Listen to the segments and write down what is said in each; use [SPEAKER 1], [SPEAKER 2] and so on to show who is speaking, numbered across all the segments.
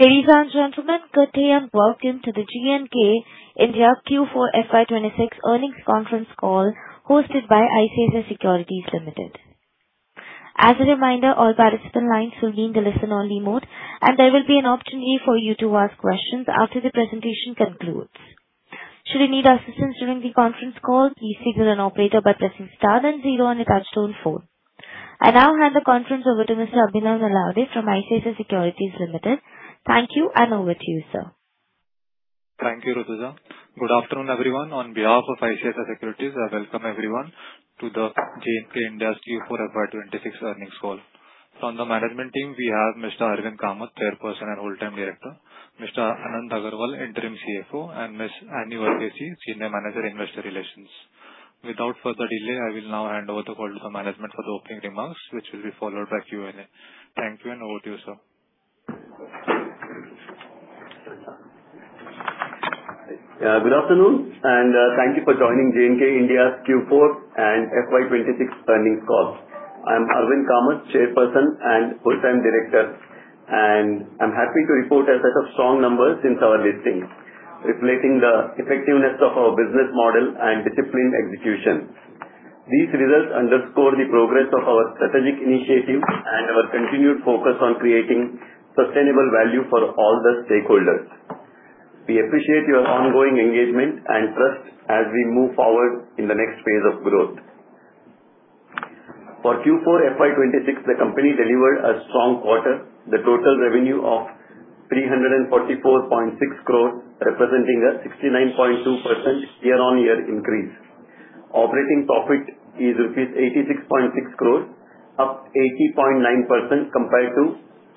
[SPEAKER 1] Ladies and gentlemen, good day and welcome to the JNK India Q4 FY 2026 earnings conference call hosted by ICICI Securities Limited. As a reminder, all participant lines will be in the listen-only mode, and there will be an opportunity for you to ask questions after the presentation concludes. Should you need assistance during the conference call, please signal an operator by pressing star then zero on your touchtone phone. I now hand the conference over to Mr. Abhinav Malviya from ICICI Securities Limited. Thank you, and over to you, sir.
[SPEAKER 2] Thank you, Rutuja. Good afternoon, everyone. On behalf of ICICI Securities, I welcome everyone to the JNK India Q4 FY 2026 earnings call. From the management team, we have Mr. Arvind Kamath, Chairperson and Whole-time Director; Mr. Anand Agarwal, Interim CFO; and Ms. Annie Varghese, Senior Manager, Investor Relations. Without further delay, I will now hand over the call to management for the opening remarks, which will be followed by Q&A. Thank you, and over to you, sir.
[SPEAKER 3] Good afternoon, thank you for joining JNK India's Q4 and FY 2026 earnings call. I'm Arvind Kamath, Chairperson and Whole-time Director, and I'm happy to report a set of strong numbers since our listing, reflecting the effectiveness of our business model and disciplined execution. These results underscore the progress of our strategic initiatives and our continued focus on creating sustainable value for all the stakeholders. We appreciate your ongoing engagement and trust as we move forward in the next phase of growth. For Q4 FY 2026, the company delivered a strong quarter. The total revenue of 344.6 crore, representing a 69.2% year-on-year increase. Operating profit is rupees 86.6 crore, up 80.9% compared to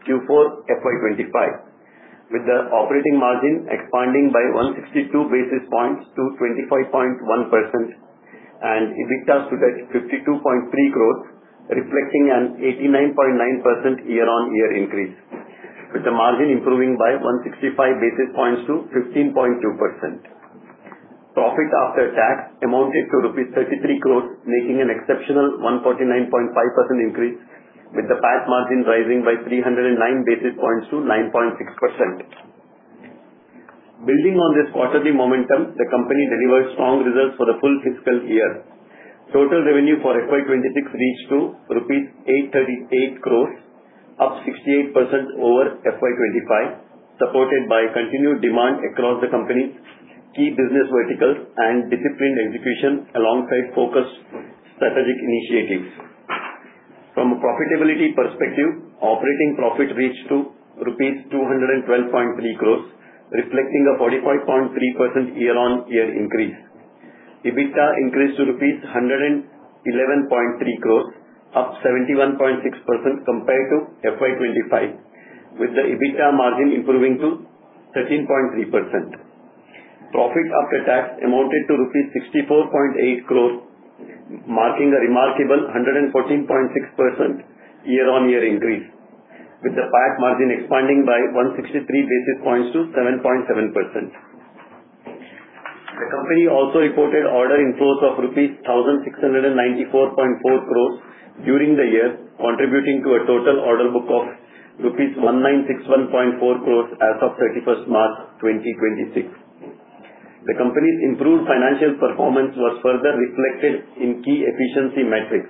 [SPEAKER 3] Q4 FY 2025, with the operating margin expanding by 162 basis points to 25.1%. EBITDA stood at 52.3 crore, reflecting an 89.9% year-on-year increase, with the margin improving by 165 basis points to 15.2%. Profit after tax amounted to rupees 33 crores, making an exceptional 149.5% increase, with the PAT margin rising by 309 basis points to 9.6%. Building on this quarterly momentum, the company delivered strong results for the full fiscal year. Total revenue for FY 2026 reached INR 838 crores, up 68% over FY 2025, supported by continued demand across the company's key business verticals and disciplined execution alongside focused strategic initiatives. From a profitability perspective, operating profit reached rupees 212.3 crores, reflecting a 45.3% year-on-year increase. EBITDA increased to rupees 111.3 crores, up 71.6% compared to FY 2025, with the EBITDA margin improving to 13.3%. Profit after tax amounted to rupees 64.8 crores, marking a remarkable 114.6% year-on-year increase, with the PAT margin expanding by 163 basis points to 7.7%. The company also reported order inflows of rupees 1,694.4 crores during the year, contributing to a total order book of INR. Rupees 1,961.4 crore as of 31st March 2026. The company's improved financial performance was further reflected in key efficiency metrics.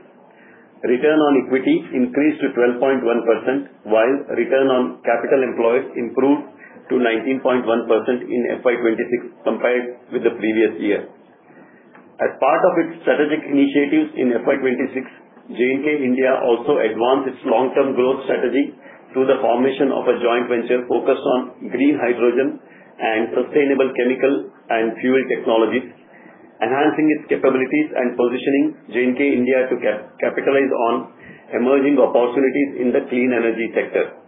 [SPEAKER 3] Return on equity increased to 12.1%, while return on capital employed improved to 19.1% in FY 2026 compared with the previous year. As part of its strategic initiatives in FY 2026, JNK India also advanced its long-term growth strategy through the formation of a joint venture focused on green hydrogen and sustainable chemical and fuel technologies, enhancing its capabilities and positioning JNK India to capitalize on emerging opportunities in the clean energy sector.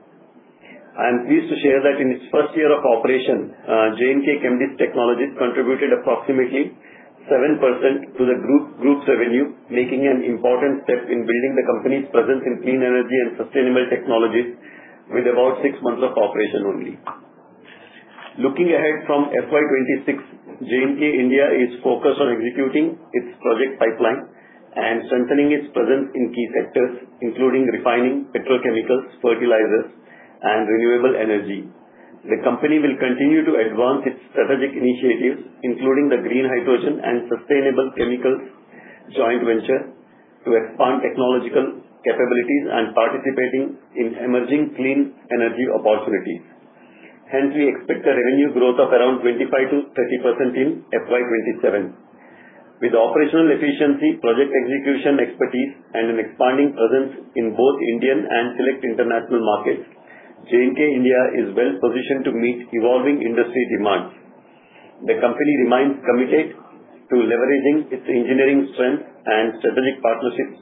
[SPEAKER 3] I am pleased to share that in its first year of operation, JNK Chemdist Technologies contributed approximately 7% to the group's revenue, making an important step in building the company's presence in clean energy and sustainable technologies with about six months of operation only. Looking ahead from FY26, JNK India is focused on executing its project pipeline and strengthening its presence in key sectors including refining, petrochemicals, fertilizers, and renewable energy. The company will continue to advance its strategic initiatives, including the green hydrogen and sustainable chemicals joint venture, to expand technological capabilities and participating in emerging clean energy opportunities. Hence, we expect a revenue growth of around 25%-30% in FY 2027. With operational efficiency, project execution expertise, and an expanding presence in both Indian and select international markets, JNK India is well-positioned to meet evolving industry demands. The company remains committed to leveraging its engineering strength and strategic partnerships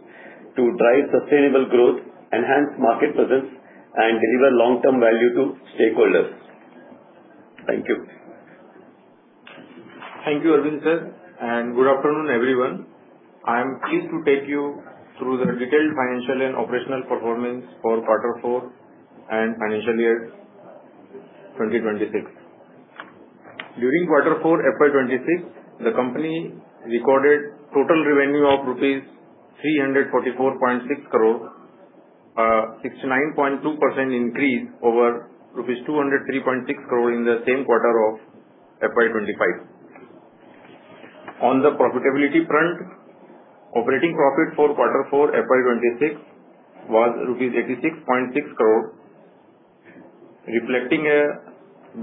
[SPEAKER 3] to drive sustainable growth, enhance market presence, and deliver long-term value to stakeholders. Thank you.
[SPEAKER 4] Thank you, Arvind sir, and good afternoon, everyone. I am pleased to take you through the detailed financial and operational performance for quarter four and financial year 2026. During quarter four FY 2026, the company recorded total revenue of rupees 344.6 crore, a 69.2% increase over rupees 203.6 crore in the same quarter of FY 2025. On the profitability front, operating profit for quarter four FY 2026 was INR 86.6 crore, reflecting a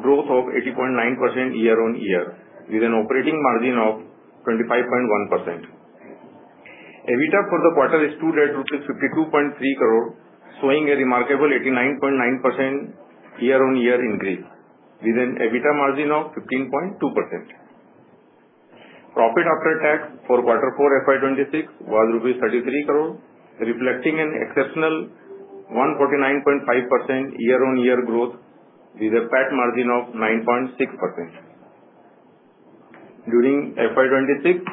[SPEAKER 4] growth of 80.9% year-on-year with an operating margin of 25.1%. EBITDA for the quarter stood at rupees 52.3 crore, showing a remarkable 89.9% year-on-year increase with an EBITDA margin of 15.2%. Profit after tax for quarter four FY 2026 was INR 33 crore, reflecting an exceptional 149.5% year-on-year growth with a PAT margin of 9.6%. During FY 2026,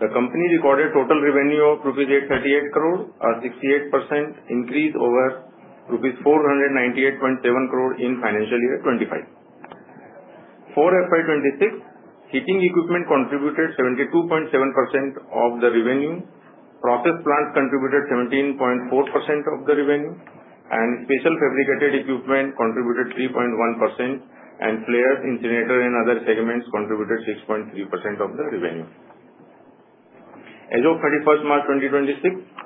[SPEAKER 4] the company recorded total revenue of INR 838 crore, a 68% increase over INR 498.7 crore in financial year 2025. For FY 2026, heating equipment contributed 72.7% of the revenue, process plant contributed 17.4% of the revenue, and special fabricated equipment contributed 3.1%, and flare, incinerator and other segments contributed 6.3% of the revenue. As of 31st March 2026,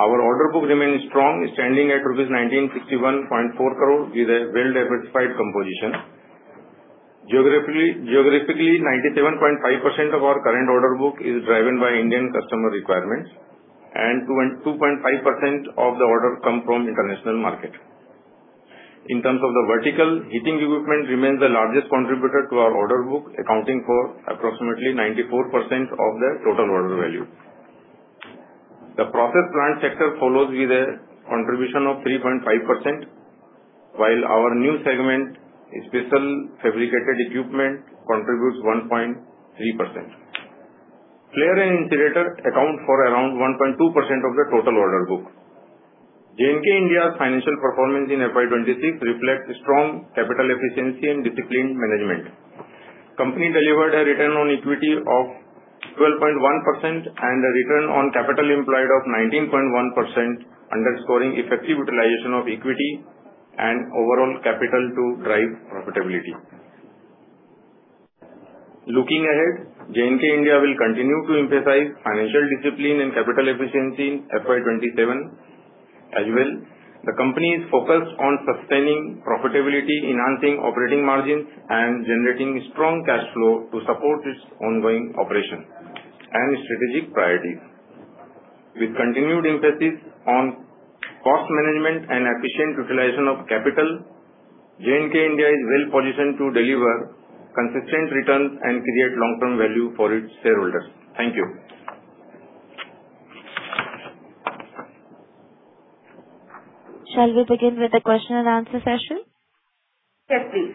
[SPEAKER 4] our order book remains strong, standing at 1,951.4 crore rupees with a well-diversified composition. Geographically, 97.5% of our current order book is driven by Indian customer requirements, and 2.5% of the order come from international market. In terms of the vertical, heating equipment remains the largest contributor to our order book, accounting for approximately 94% of the total order value. The process plant sector follows with a contribution of 3.5%, while our new segment, special fabricated equipment, contributes 1.3%. Flare and incinerator account for around 1.2% of the total order book. JNK India's financial performance in FY 2026 reflects strong capital efficiency and disciplined management. The company delivered a return on equity of 12.1% and a return on capital employed of 19.1%, underscoring effective utilization of equity and overall capital to drive profitability. Looking ahead, JNK India will continue to emphasize financial discipline and capital efficiency in FY 2027 as well. The company is focused on sustaining profitability, enhancing operating margins, and generating strong cash flow to support its ongoing operations and strategic priorities. With continued emphasis on cost management and efficient utilization of capital, JNK India is well positioned to deliver consistent returns and create long-term value for its shareholders. Thank you.
[SPEAKER 1] Shall we begin with the question-and-answer session?
[SPEAKER 4] Yes, please.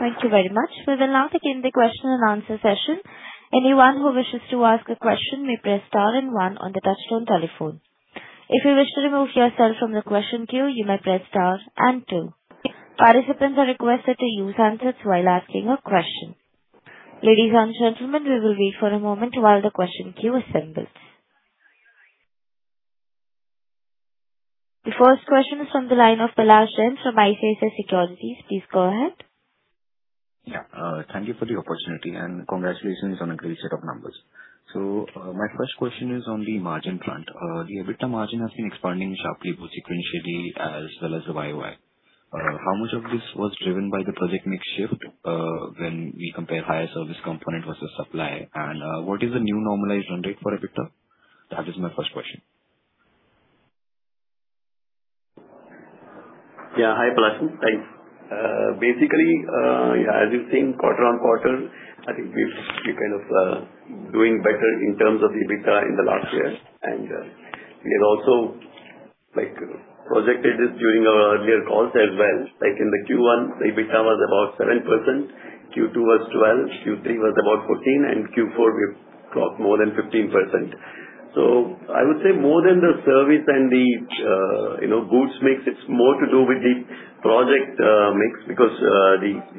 [SPEAKER 1] Thank you very much. We will now begin the question-and-answer session. Anyone who wishes to ask a question may press star and one on the touchtone telephone. If you wish to remove yourself from the question queue, you may press star and two. Participants are requested to use answers while asking a question. Ladies and gentlemen, we will wait for a moment while the question queue assembles. The first question is on the line of Bijal Shah from ICICI Securities. Please go ahead.
[SPEAKER 5] Yeah. Thank you for the opportunity, and congratulations on a great set of numbers. My first question is on the margin front. The EBITDA margin has been expanding sharply sequentially as well as the YOY. How much of this was driven by the project mix shift when we compare higher service component versus supply? What is the new normalized run rate for EBITDA? That is my first question.
[SPEAKER 4] Yeah. Hi, Bijal. Thanks. Basically, as you think quarter-on-quarter, I think we've been doing better in terms of EBITDA in the last year, and we had also projected this during our earlier calls as well. In the Q1, EBITDA was about 7%, Q2 was 12%, Q3 was about 14%, and Q4 we've crossed more than 15%. I would say more than the service and the goods mix, it's more to do with the project mix because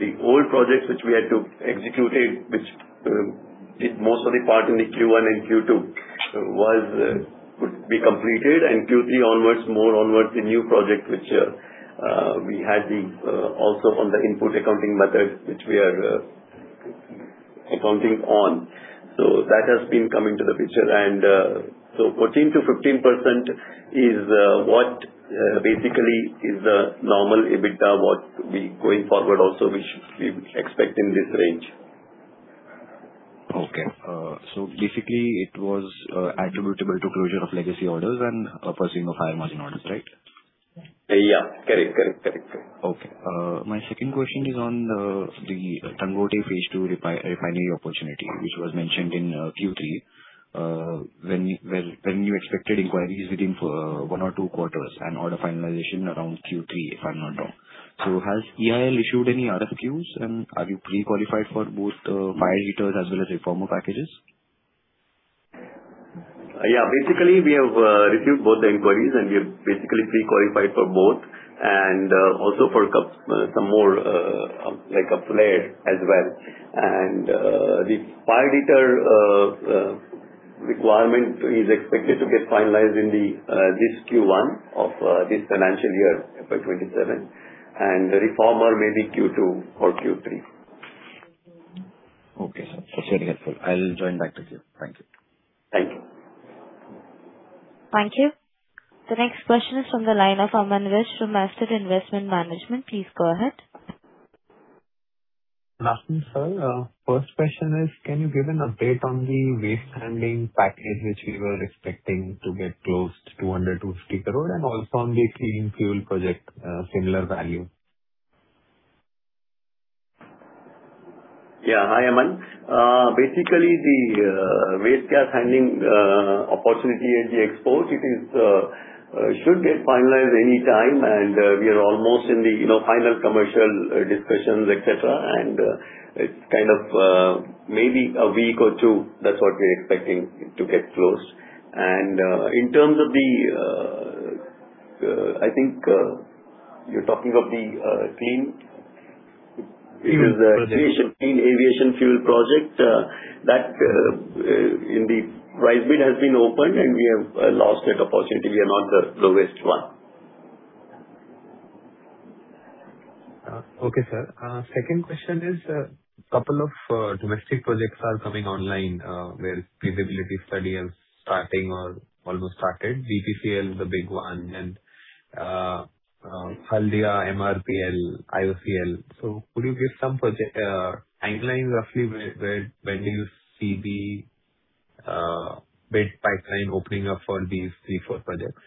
[SPEAKER 4] the old projects which we had to execute, which did most of the part in the Q1 and Q2 would be completed in Q3 onwards, more onwards, the new project which we had also on the input accounting methods which we are accounting on. That has been coming to the picture. 14%-15% is what basically is the normal EBITDA, what we, going forward also, we expect in this range.
[SPEAKER 5] Okay. Basically, it was attributable to closure of legacy orders and pursuing of high margin orders, right?
[SPEAKER 4] Yeah. Correct.
[SPEAKER 5] Okay. My second question is on the Dangote Phase II refinery opportunity, which was mentioned in Q3 when you expected inquiries beginning for one or two quarters and order finalization around Q3 if I'm not wrong. Has EIL issued any RFQs, and are you pre-qualified for both the pyrolysis heater as well as reformer packages?
[SPEAKER 3] Yeah. Basically, we have received both the inquiries, and we have basically pre-qualified for both and also for some more players as well. The pyrolyser requirement is expected to get finalized in this Q1 of this financial year, FY 2027, and the reformer may be Q2 or Q3.
[SPEAKER 5] Okay, sir. It's very helpful. I'll join back with you. Thank you.
[SPEAKER 3] Thank you.
[SPEAKER 1] Thank you. The next question is from the line of Aman Shah from Axis Asset Management. Please go ahead.
[SPEAKER 6] Good afternoon, sir. First question is, can you give an update on the waste handling package which you were expecting to get close to 200 crore, 250 crore and also on the clean fuel project, similar value?
[SPEAKER 3] Yeah. Hi, Aman. Basically, the waste gas handling opportunity at the export should get finalized any time, and we are almost in the final commercial discussions, et cetera, and it's maybe a week or two. That's what we're expecting to get closed. I think you're talking of the clean-
[SPEAKER 6] Fuel project.
[SPEAKER 3] ..clean aviation fuel project. That, indeed, price bid has been opened, and we have lost that opportunity. We are not the lowest one.
[SPEAKER 6] Okay, sir. Second question is, a couple of domestic projects are coming online, where feasibility study is starting or almost started. BPCL is the big one and Haldia MRPL, IOCL. Could you give some project timelines roughly where, when do you see the bid pipeline opening up for these three, four projects?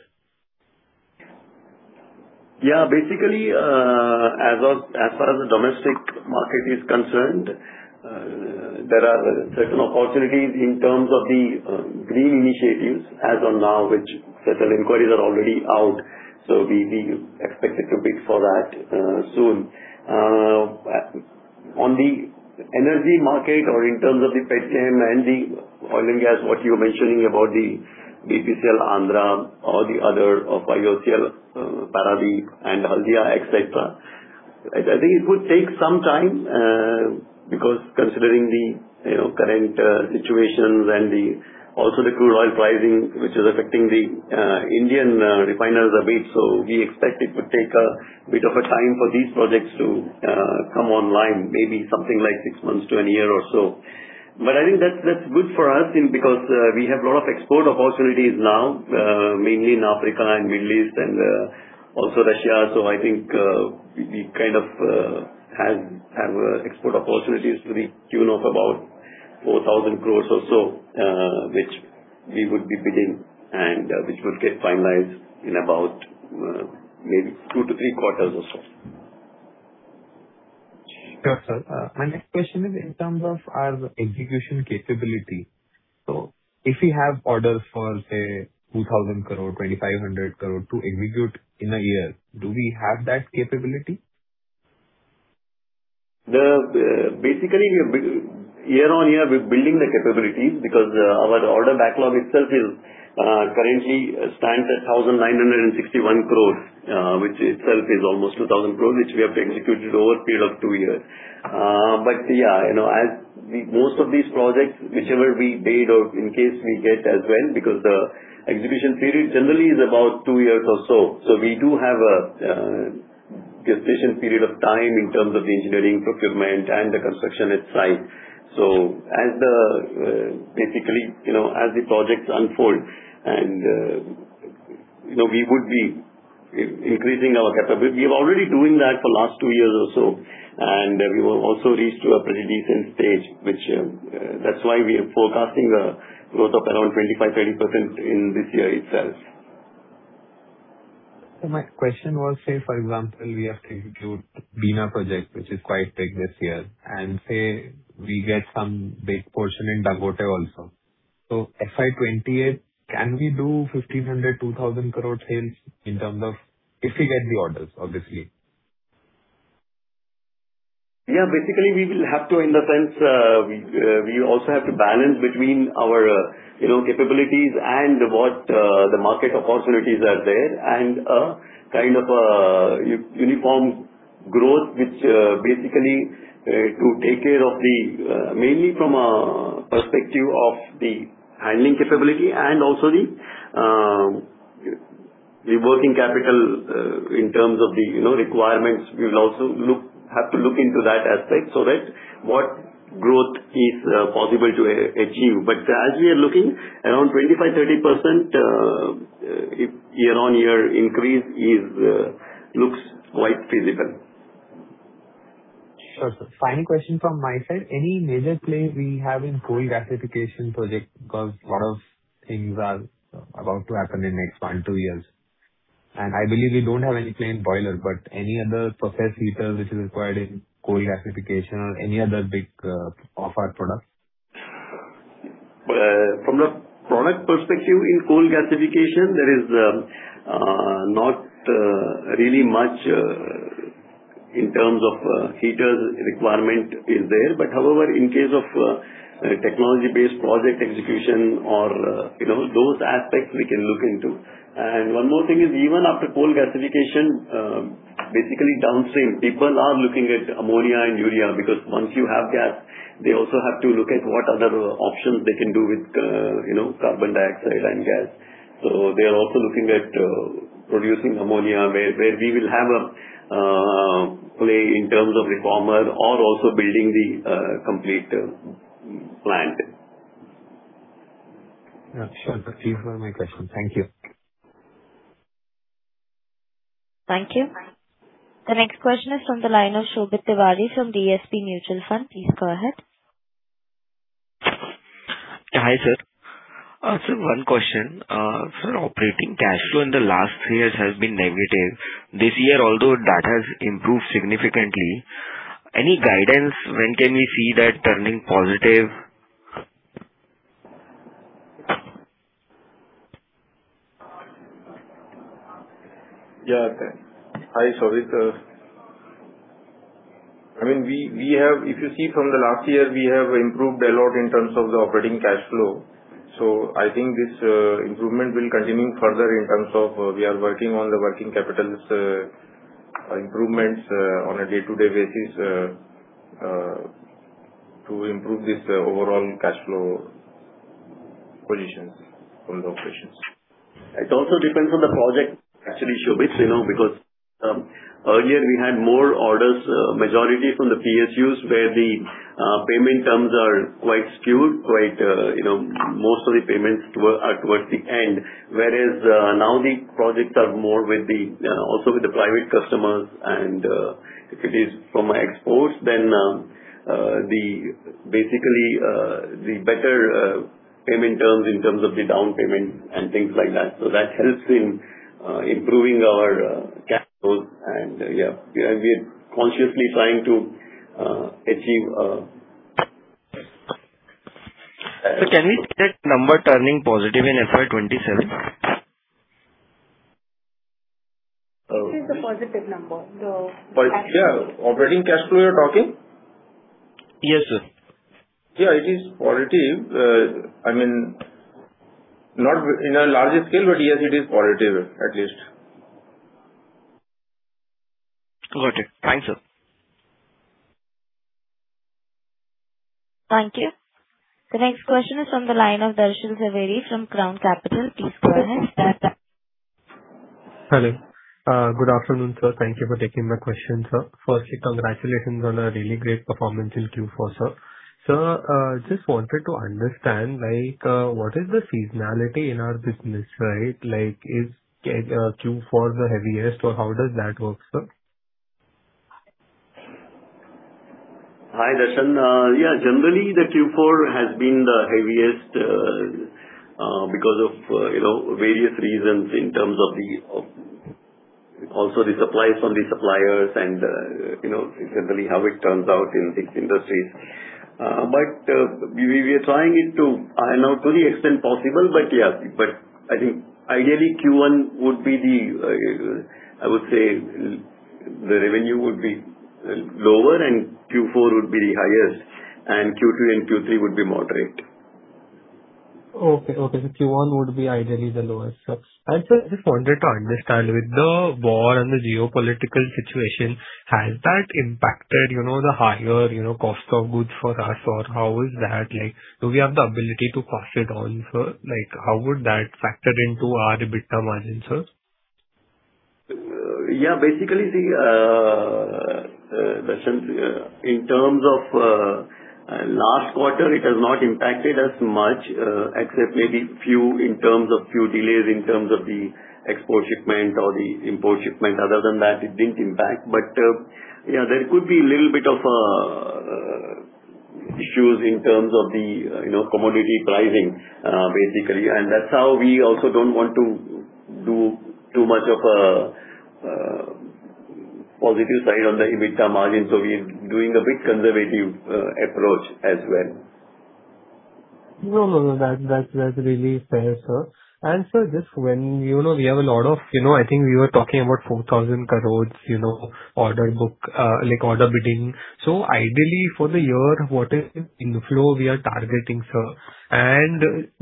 [SPEAKER 3] Yeah. Basically, as far as the domestic market is concerned, there are certain opportunities in terms of the green initiatives as on now, which certain inquiries are already out, we expect it to pick for that soon. On the energy market or in terms of the petchem and the oil and gas, what you're mentioning about the BPCL Andhra or the other of IOCL, Paradip and Haldia, et cetera, I think it would take some time, because considering the current situation and also the crude oil pricing, which is affecting the Indian refiners a bit. We expect it would take a bit of a time for these projects to come online, maybe something like six months to a year or so. I think that's good for us because we have a lot of export opportunities now, mainly in Africa and Middle East and also Russia. I think we have export opportunities to the tune of about 4,000 crore or so, which we would be bidding and which would get finalized in about maybe two to three quarters or so.
[SPEAKER 6] Sure, sir. My next question is in terms of our execution capability. If we have orders for, say, 2,000 crore, 2,500 crore to execute in a year, do we have that capability?
[SPEAKER 3] Year-on-year, we're building the capability because our order backlog itself currently stands at 1,961 crores, which itself is almost 2,000 crores, which we have to execute over a period of two years. Most of these projects, whichever we bid or in case we get as well, because the execution period generally is about two years or so. We do have a decision period of time in terms of the engineering procurement and the construction at site. As the projects unfold, we would be increasing our capability. We are already doing that for last two years or so, and we have also reached to a pretty decent stage. That's why we are forecasting a growth of around 25%-30% in this year itself.
[SPEAKER 6] My question was, say, for example, we have to execute Bina project, which is quite big this year, and say we get some big portion in Dangote also. FY 2028, can we do 1,500 crore-2,000 crore sales in terms of if we get the orders, obviously?
[SPEAKER 3] Yeah. Basically, we will have to, in the sense, we also have to balance between our capabilities and what the market opportunities are there and a kind of a uniform growth, which basically mainly from a perspective of the handling capability and also the working capital in terms of the requirements. We will also have to look into that aspect so that what growth is possible to achieve. As we are looking, around 25%-30% year-over-year increase looks quite feasible.
[SPEAKER 6] Sure, sir. Final question from my side. Any major play we have in coal gasification project? A lot of things are about to happen in next one, two years. I believe we don't have any plain boiler, but any other process heater which is required in coal gasification or any other big off our products?
[SPEAKER 3] From the product perspective, in coal gasification, there is not really much. In terms of heaters requirement is there. However, in case of technology-based project execution or those aspects, we can look into. One more thing is even after coal gasification, basically downstream, people are looking at ammonia and urea because once you have gas, they also have to look at what other options they can do with carbon dioxide and gas. They are also looking at producing ammonia, where we will have a play in terms of reformers or also building the complete plant.
[SPEAKER 6] Yeah, sure. These were my questions. Thank you.
[SPEAKER 1] Thank you. The next question is from the line of Shobhit Tiwari from DSP Mutual Fund. Please go ahead.
[SPEAKER 7] Hi, sir. Sir, one question. Sir, operating cash flow in the last three years has been negative. This year, although that has improved significantly, any guidance when can we see that turning positive?
[SPEAKER 3] Yeah. Hi, Shobhit. If you see from the last year, we have improved a lot in terms of the operating cash flow. I think this improvement will continue further in terms of we are working on the working capital improvements on a day-to-day basis to improve this overall cash flow position for the operations. It also depends on the project actually, Shobhit, because earlier we had more orders, majority from the PSUs, where the payment terms are quite skewed. Most of the payments are towards the end, whereas now the projects are more also with the private customers, and if it is from exports then basically the better payment terms in terms of the down payment and things like that. That helps in improving our cash flows. Yeah, we are consciously trying to achieve.
[SPEAKER 7] Sir, can we see that number turning positive in FY 2027?
[SPEAKER 4] What is the positive number, the cash flow?
[SPEAKER 3] Yeah. Operating cash flow you're talking?
[SPEAKER 7] Yes, sir.
[SPEAKER 3] Yeah, it is positive. Not in a larger scale, but yes, it is positive at least.
[SPEAKER 7] Got it. Thanks, sir.
[SPEAKER 1] Thank you. The next question is from the line of Darshan Zaveri from Crown Capital. Please go ahead.
[SPEAKER 8] Hello. Good afternoon, sir. Thank you for taking my question, sir. Firstly, congratulations on a really great performance in Q4, sir. Sir, just wanted to understand, what is the seasonality in our business, right? Is Q4 the heaviest, or how does that work, sir?
[SPEAKER 3] Hi, Darshan. Yeah, generally, the Q4 has been the heaviest because of various reasons in terms of also the supplies from the suppliers and essentially how it turns out in these industries. We are trying it to a not fully extent possible. I think ideally Q1 I would say the revenue would be lower and Q4 would be the highest, and Q2 and Q3 would be moderate.
[SPEAKER 8] Q1 would be ideally the lowest, sir. Sir, I just wanted to understand with the war and the geopolitical situation, has that impacted the higher cost of goods for us, or how is that like? Do we have the ability to pass it on, sir? How would that factor into our EBITDA margin, sir?
[SPEAKER 3] Basically, Darshan, in terms of last quarter, it has not impacted us much, except maybe in terms of few delays in terms of the export shipment or the import shipment. Other than that, it didn't impact. There could be a little bit of issues in terms of the commodity pricing basically. That's how we also don't want to do too much of a positive side on the EBITDA margin. We're doing a bit conservative approach as well.
[SPEAKER 8] No, that's really fair, sir. Just when we have a lot of, I think we were talking about 4,000 crores order book, like order bidding. Ideally for the year, what is the inflow we are targeting, sir?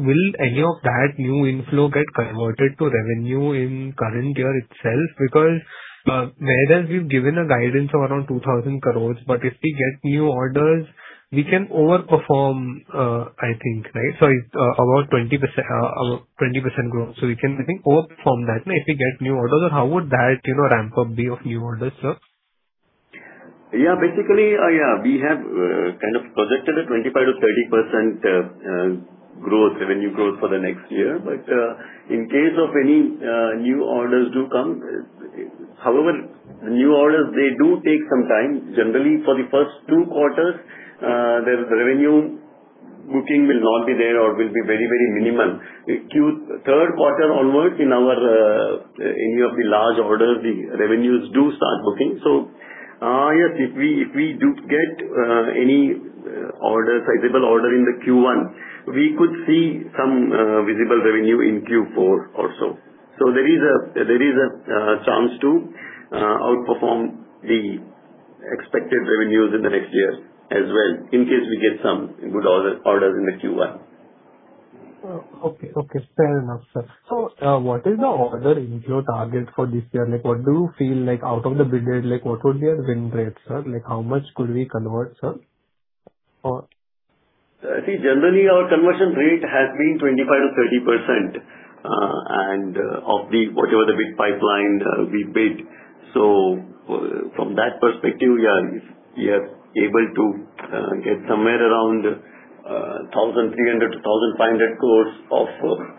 [SPEAKER 8] Will any of that new inflow get converted to revenue in current year itself? whereas we've given a guidance of around 2,000 crores, but if we get new orders, we can over-perform, I think, right? Sorry, our 20% growth. we can, I think, over-perform that if we get new orders, or how would that ramp up be of new orders, sir?
[SPEAKER 3] Yeah, basically, we have kind of projected a 25%-30% revenue growth for the next year. In case of any new orders do come, however, new orders, they do take some time. Generally, for the first two quarters, the revenue booking will not be there or will be very minimal. Third quarter onwards in any of the large orders, the revenues do start booking. Yes, if we do get any sizable order in the Q1, we could see some visible revenue in Q4 also. There is a chance to outperform Expected Revenues in the next year as well, in case we get some good orders in the Q1.
[SPEAKER 8] Okay. Fair enough, sir. What is the order inflow target for this year? What do you feel out of the business? What would be our win rate, sir? How much could we convert, sir?
[SPEAKER 3] See, generally our conversion rate has been 25%-30% of whatever the big pipeline we bid. From that perspective, we are able to get somewhere around 1,300 crore-1,500 crore of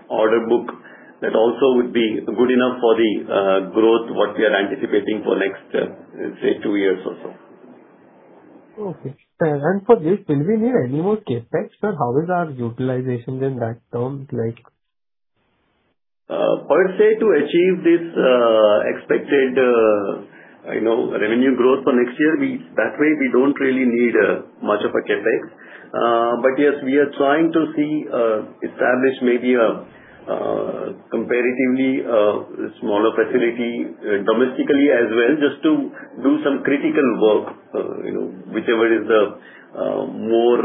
[SPEAKER 3] order book. That also would be good enough for the growth, what we are anticipating for next, say, two years or so.
[SPEAKER 8] Okay. For this, will we need any more CapEx, sir? How is our utilization in that term like?
[SPEAKER 3] Per se, to achieve this expected revenue growth for next year, that way, we don't really need much of a CapEx. Yes, we are trying to see, establish maybe a comparatively smaller facility domestically as well, just to do some critical work. Whichever is the more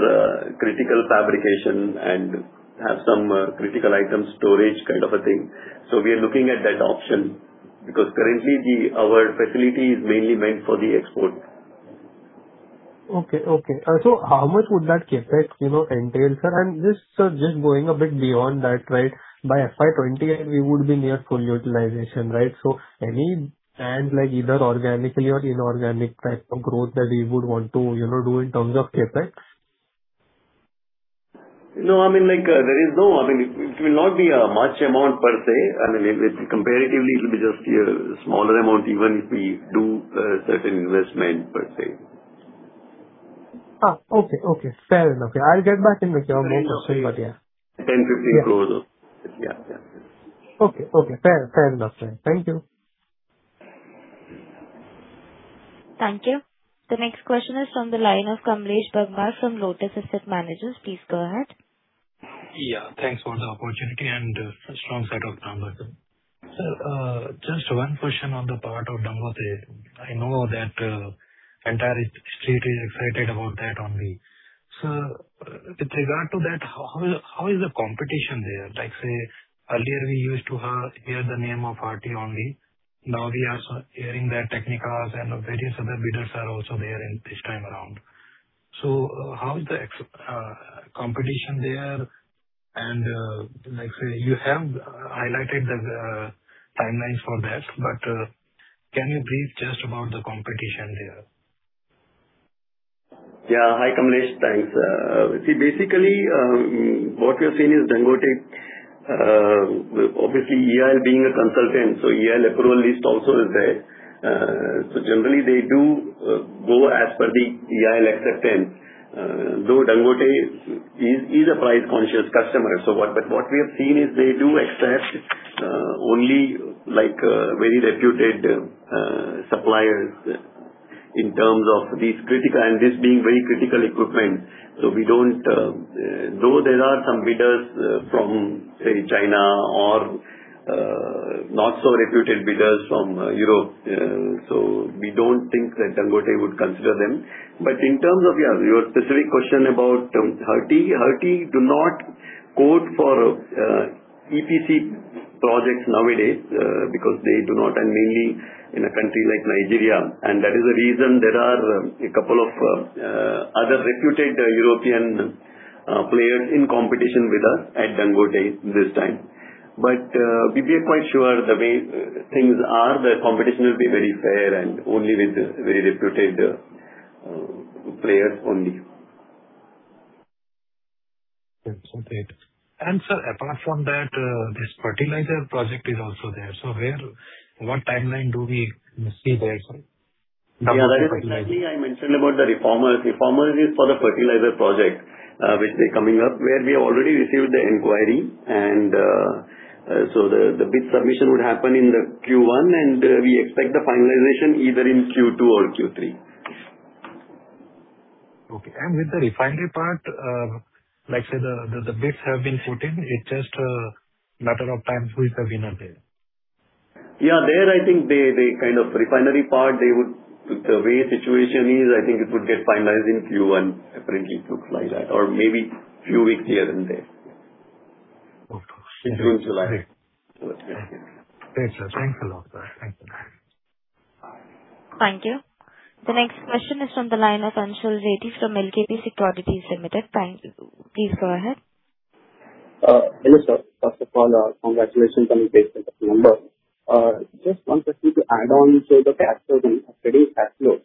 [SPEAKER 3] critical fabrication and have some critical item storage kind of a thing. We are looking at that option because currently our facility is mainly meant for the export.
[SPEAKER 8] Okay. How much would that CapEx entail, sir? Just going a bit beyond that. By FY 2028 we would be near full utilization, right? Any plan, either organically or inorganic type of growth that we would want to do in terms of CapEx?
[SPEAKER 3] No, it will not be a much amount per se. Comparatively, it will be just a smaller amount even if we do certain investment, per se.
[SPEAKER 8] Okay. Fair enough. I'll get back in with you on more questions but yeah.
[SPEAKER 3] 10 crores, INR 15 crores. Yeah.
[SPEAKER 8] Okay, fair enough, sir. Thank you.
[SPEAKER 1] Thank you. The next question is from the line of Kamlesh Bagmar from Lotus Asset Managers. Please go ahead.
[SPEAKER 9] Yeah. Thanks for the opportunity and strong set of numbers. Just one question on the part of Dangote. I know that entire street is excited about that only. With regard to that, how is the competition there? Like, say earlier we used to hear the name of KTI only. Now we are also hearing that Technip Energies and various other bidders are also there this time around. How is the competition there? You have highlighted the timelines for that, but can you brief just about the competition there?
[SPEAKER 3] Hi, Kamlesh. Thanks. What we are seeing is Dangote, obviously EIL being a consultant, so EIL approval list also is there. Generally they do go as per the EIL acceptance, though Dangote is a price-conscious customer. What we have seen is they do accept only very reputed suppliers in terms of these critical items, this being very critical equipment. Though there are some bidders from China or not so reputed bidders from Europe. We don't think that Dangote would consider them. In terms of your specific question about KTI do not quote for EPC projects nowadays because they do not, and mainly in a country like Nigeria. That is the reason there are a couple of other reputed European players in competition with us at Dangote this time. We are quite sure the way things are, the competition will be very fair and only with very reputed players only.
[SPEAKER 9] Yes. Okay. Sir, apart from that, this fertilizer project is also there. What timeline do we see there, sir?
[SPEAKER 3] Yeah. That is exactly I mentioned about the reformers. Reformers is for the fertilizer project which is coming up, where we have already received the inquiry. The bid submission would happen in the Q1 and we expect the finalization either in Q2 or Q3.
[SPEAKER 9] Okay. With the refinery part, the bids have been put in. It's just a matter of time who is the winner there.
[SPEAKER 3] Yeah. There I think the refinery part, the way situation is, I think it would get finalized in Q1. Apparently it looks like that. Maybe few weeks here and there.
[SPEAKER 9] Okay.
[SPEAKER 3] In Q1.
[SPEAKER 9] Thanks, sir. Thanks a lot, sir. Thank you.
[SPEAKER 1] Thank you. The next question is from the line of Anshul Reddy from LKP Securities Limited. Thanks. Please go ahead.
[SPEAKER 10] Hello, sir. First of all, congratulations on the numbers. Just one question to add on the cash flow.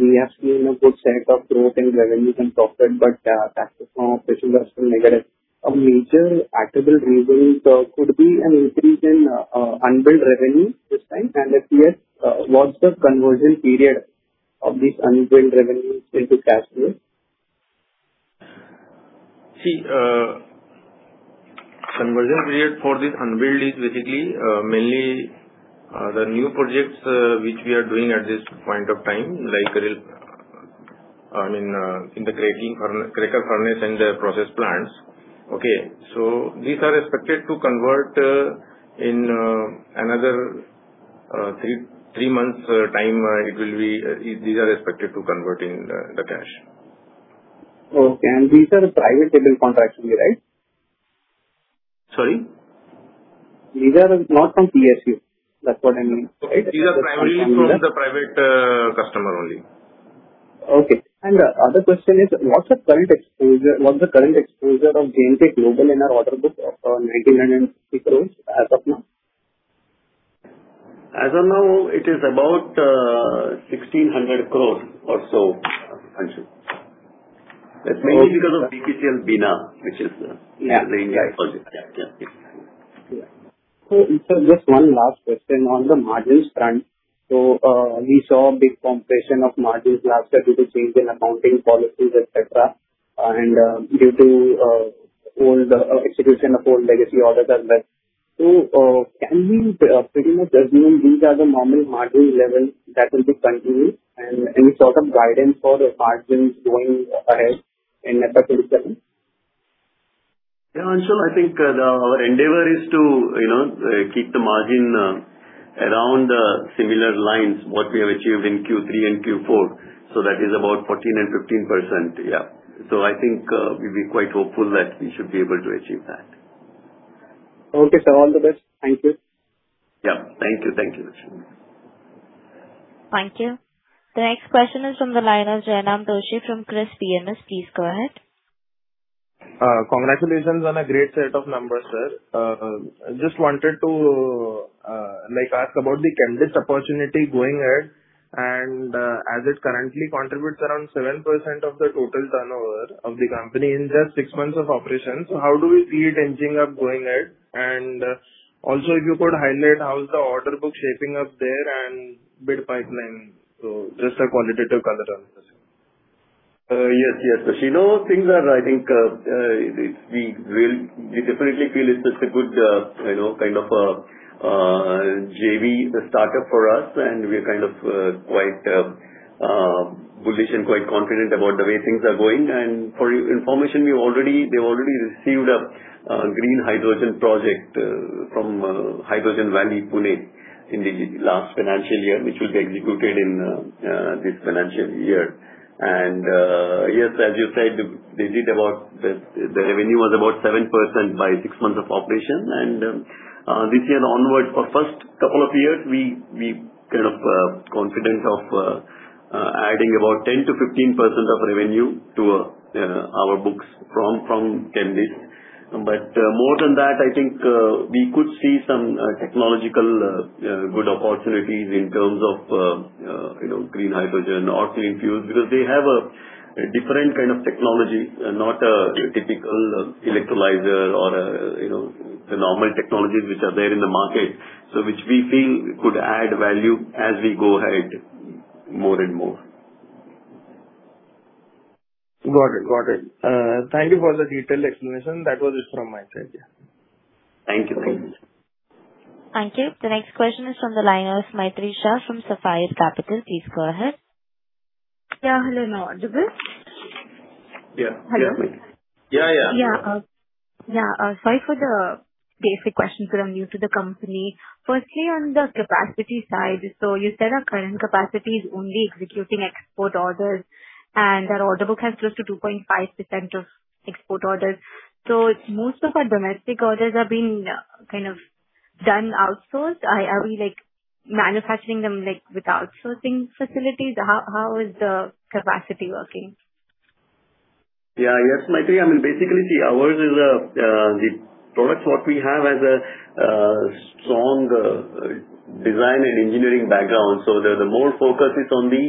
[SPEAKER 10] We have seen a good set of growth in revenues and profit, but cash flow from operations was still negative. A major article driven could be an increase in unbilled revenue this time, and if yes, what's the conversion period of this unbilled revenue into cash flow?
[SPEAKER 3] Conversion period for this unbilled is basically mainly the new projects which we are doing at this point of time, like I mean, in the cracking furnace and the process plants. Okay. These are expected to convert in another three months time. These are expected to convert into cash.
[SPEAKER 10] Okay. These are private tender contracts only, right?
[SPEAKER 3] Sorry?
[SPEAKER 10] These are not from PSU. That's what I mean.
[SPEAKER 3] These are primarily from the private customer only.
[SPEAKER 10] Okay. Other question is, what's the current exposure of JNK Global in our order book of 1,960 crores as of now?
[SPEAKER 3] As of now, it is about 1,600 crore or so.
[SPEAKER 10] Got it.
[SPEAKER 3] That's mainly because of BPCL Bina, which is a main project.
[SPEAKER 10] Yeah. Sir, just one last question on the margins front. We saw a big compression of margins last year due to change in accounting policies, et cetera, and due to old execution of old legacy orders as well. Can we pretty much assume these are the normal margin levels that will be continued, and any sort of guidance for the margins going ahead in FY 2027?
[SPEAKER 3] Anshul, I think our endeavor is to keep the margin around similar lines, what we have achieved in Q3 and Q4. That is about 14% and 15%. I think we'll be quite hopeful that we should be able to achieve that.
[SPEAKER 10] Okay, sir. All the best. Thank you.
[SPEAKER 3] Yeah. Thank you. Thank you, Anshul.
[SPEAKER 1] Thank you. The next question is from the line of Jainam Doshi from Chris PMS. Please go ahead.
[SPEAKER 11] Congratulations on a great set of numbers, sir. Just wanted to ask about the Chemdist opportunity going ahead, and as it currently contributes around 7% of the total turnover of the company in just six months of operation. How do we see it inching up going ahead? Also, if you could highlight how's the order book shaping up there and bit pipeline. Just a qualitative color on this.
[SPEAKER 3] Yes. You know things are, I think, we definitely feel it's such a good kind of a JV, the startup for us, and we're quite bullish and quite confident about the way things are going. For your information, they've already received a green hydrogen project from Pune Hydrogen Valley in the last financial year, which will be executed in this financial year. Yes, as you said, the revenue was about 7% by six months of operation. This year onwards, for first couple of years, we confident of adding about 10%-15% of revenue to our books from Chemdist. More than that, I think we could see some technological good opportunities in terms of green hydrogen or clean fuels, because they have a different kind of technology, not a typical electrolyzer or the normal technologies which are there in the market. Which we feel could add value as we go ahead more and more.
[SPEAKER 11] Got it. Thank you for the detailed explanation. That was it from my side. Yeah.
[SPEAKER 3] Thank you.
[SPEAKER 1] Thank you. The next question is from the line of Maitry Shah from Sapphire Capital. Please go ahead.
[SPEAKER 12] Yeah. Hello. Now audible?
[SPEAKER 3] Yeah.
[SPEAKER 12] Hello.
[SPEAKER 3] Yeah.
[SPEAKER 12] Sorry for the basic questions. I'm new to the company. Firstly, on the capacity side. You said our current capacity is only executing export orders, and our order book has close to 2.5% of export orders. Most of our domestic orders are being kind of done outsourced. Are we manufacturing them with outsourcing facilities? How is the capacity working?
[SPEAKER 3] Yeah. Yes, Maitry. I mean, basically, ours is the products what we have has a strong design and engineering background. More focus is on the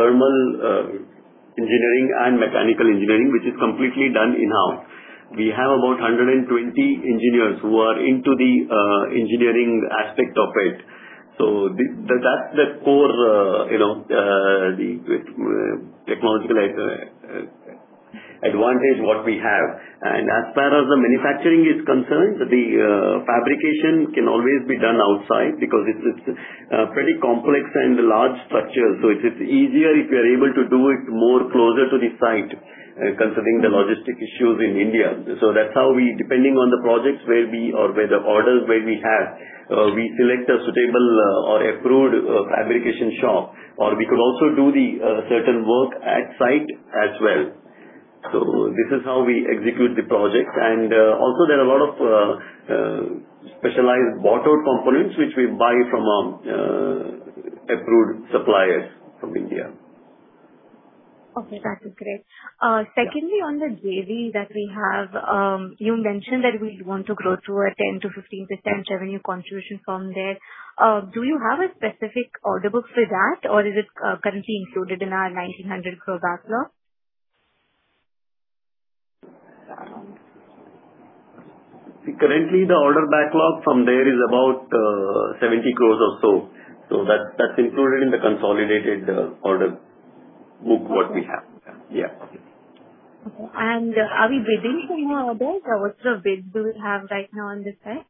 [SPEAKER 3] thermal engineering and mechanical engineering, which is completely done in-house. We have about 120 engineers who are into the engineering aspect of it. That's the core technological advantage what we have. As far as the manufacturing is concerned, the fabrication can always be done outside because it's pretty complex and large structure. It is easier if you are able to do it more closer to the site, considering the logistic issues in India. That's how we, depending on the projects or where the orders may be had, we select a suitable or approved fabrication shop. We could also do the certain work at site as well. This is how we execute the projects. Also there are a lot of specialized bought out components which we buy from approved suppliers from India.
[SPEAKER 12] Okay, that is great. Secondly, on the JV that we have, you mentioned that we want to grow to a 10%-15% revenue contribution from there. Do you have a specific order book for that, or is it currently included in our 1,900 crore backlog?
[SPEAKER 3] Currently, the order backlog from there is about 70 crore or so. That's included in the consolidated order book, what we have.
[SPEAKER 12] Okay. Are we bidding for more orders, or what sort of bids do we have right now on this side?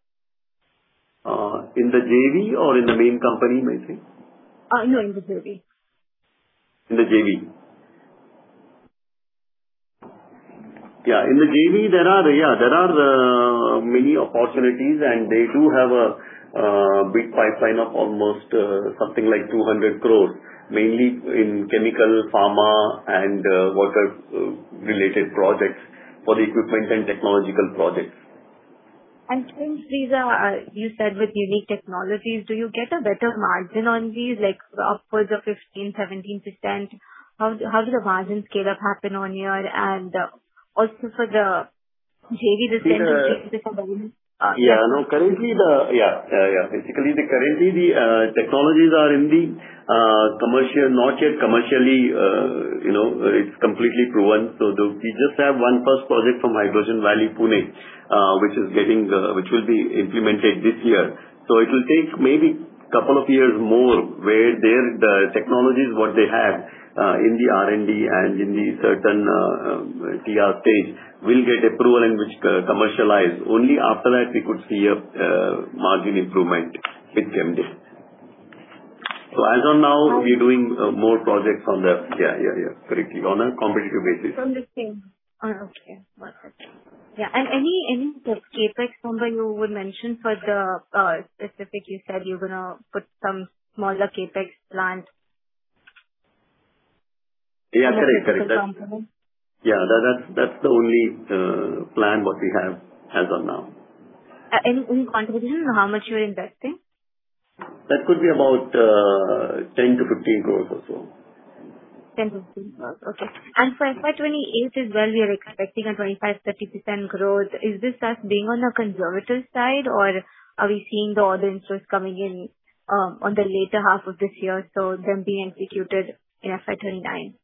[SPEAKER 3] In the JV or in the main company, may I say?
[SPEAKER 12] No, in the JV.
[SPEAKER 3] In the JV. Yeah, in the JV there are many opportunities, and they do have a big pipeline of almost something like 200 crores, mainly in chemical, pharma, and water-related projects for the equipment and technological projects.
[SPEAKER 12] Since these are, you said, with unique technologies, do you get a better margin on these, upwards of 15%-17%? How does the margin scale-up happen on your end? Also for the JV decision?
[SPEAKER 3] Yeah. Basically, currently, the technologies are not yet commercially, completely proven. We just have one first project from Pune Hydrogen Valley, which will be implemented this year. It will take maybe a couple of years more where the technologies, what they have in the R&D and in the certain TR stage will get approval in which to commercialize. Only after that we could see a margin improvement with Chemdist. As of now, we're doing more projects on a competitive basis.
[SPEAKER 12] Understood. Okay. Perfect. Any CapEx number you would mention for the specific you said you are going to put some smaller CapEx plant?
[SPEAKER 3] Yeah, correct.
[SPEAKER 12] As a complement.
[SPEAKER 3] Yeah, that's the only plan what we have as of now.
[SPEAKER 12] Any quantification on how much you are investing?
[SPEAKER 3] That could be about 10 crores-15 crores or so.
[SPEAKER 12] 10 crores-15 crores. Okay. For FY 2028 as well, we are expecting a 25%-30% growth. Is this us being on a conservative side, or are we seeing all the interest coming in on the later half of this year, so them being executed in FY 2029?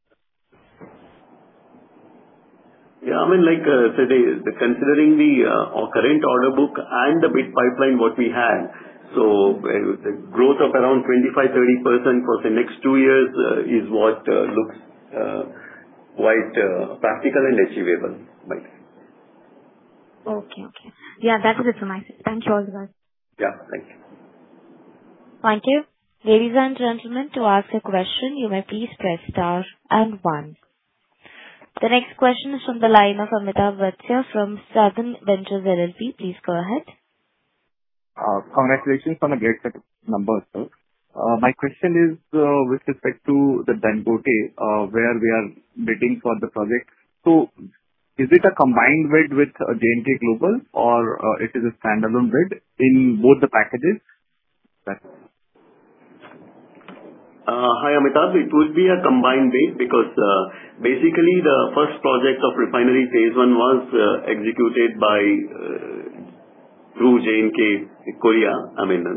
[SPEAKER 3] Yeah. Considering our current order book and the big pipeline what we have, growth of around 25%-30% for the next two years is what looks quite practical and achievable.
[SPEAKER 12] Okay. Yeah, that's it from my side. Thank you all.
[SPEAKER 3] Yeah, thank you.
[SPEAKER 1] Thank you. Ladies and gentlemen, to ask a question, you may please press star and one. The next question is from the line of Amitabh Vatsya from Southern Ventures LLP. Please go ahead.
[SPEAKER 13] Congratulations on a great set of numbers, sir. My question is with respect to the Dangote, where we are bidding for the project. Is it a combined bid with JNK Global, or it is a standalone bid in both the packages?
[SPEAKER 3] Hi, Amitabh. It will be a combined bid because, basically, the first project of refinery phase one was executed through JNK Korea.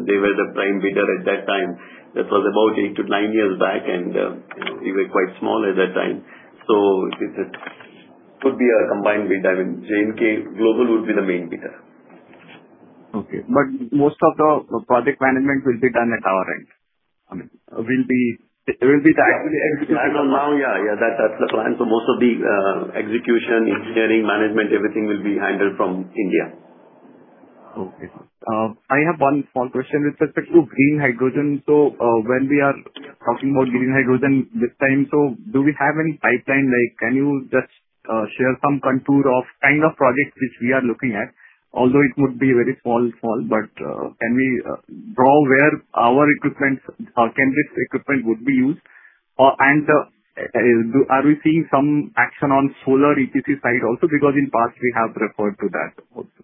[SPEAKER 3] They were the prime bidder at that time. That was about eight to nine years back, and we were quite small at that time. It could be a combined bid. JNK Global would be the main bidder.
[SPEAKER 13] Okay. Most of the project management will be done at our end.
[SPEAKER 3] As of now, yeah. That's the plan. Most of the execution, engineering, management, everything will be handled from India.
[SPEAKER 13] Okay. I have one small question with respect to green hydrogen. When we are talking about green hydrogen this time, do we have any pipeline? Can you just share some contour of kind of projects which we are looking at? Although it would be very small, but can we draw where our equipment or Chemdist equipment would be used? Are we seeing some action on solar EPC side also because in the past we have referred to that also?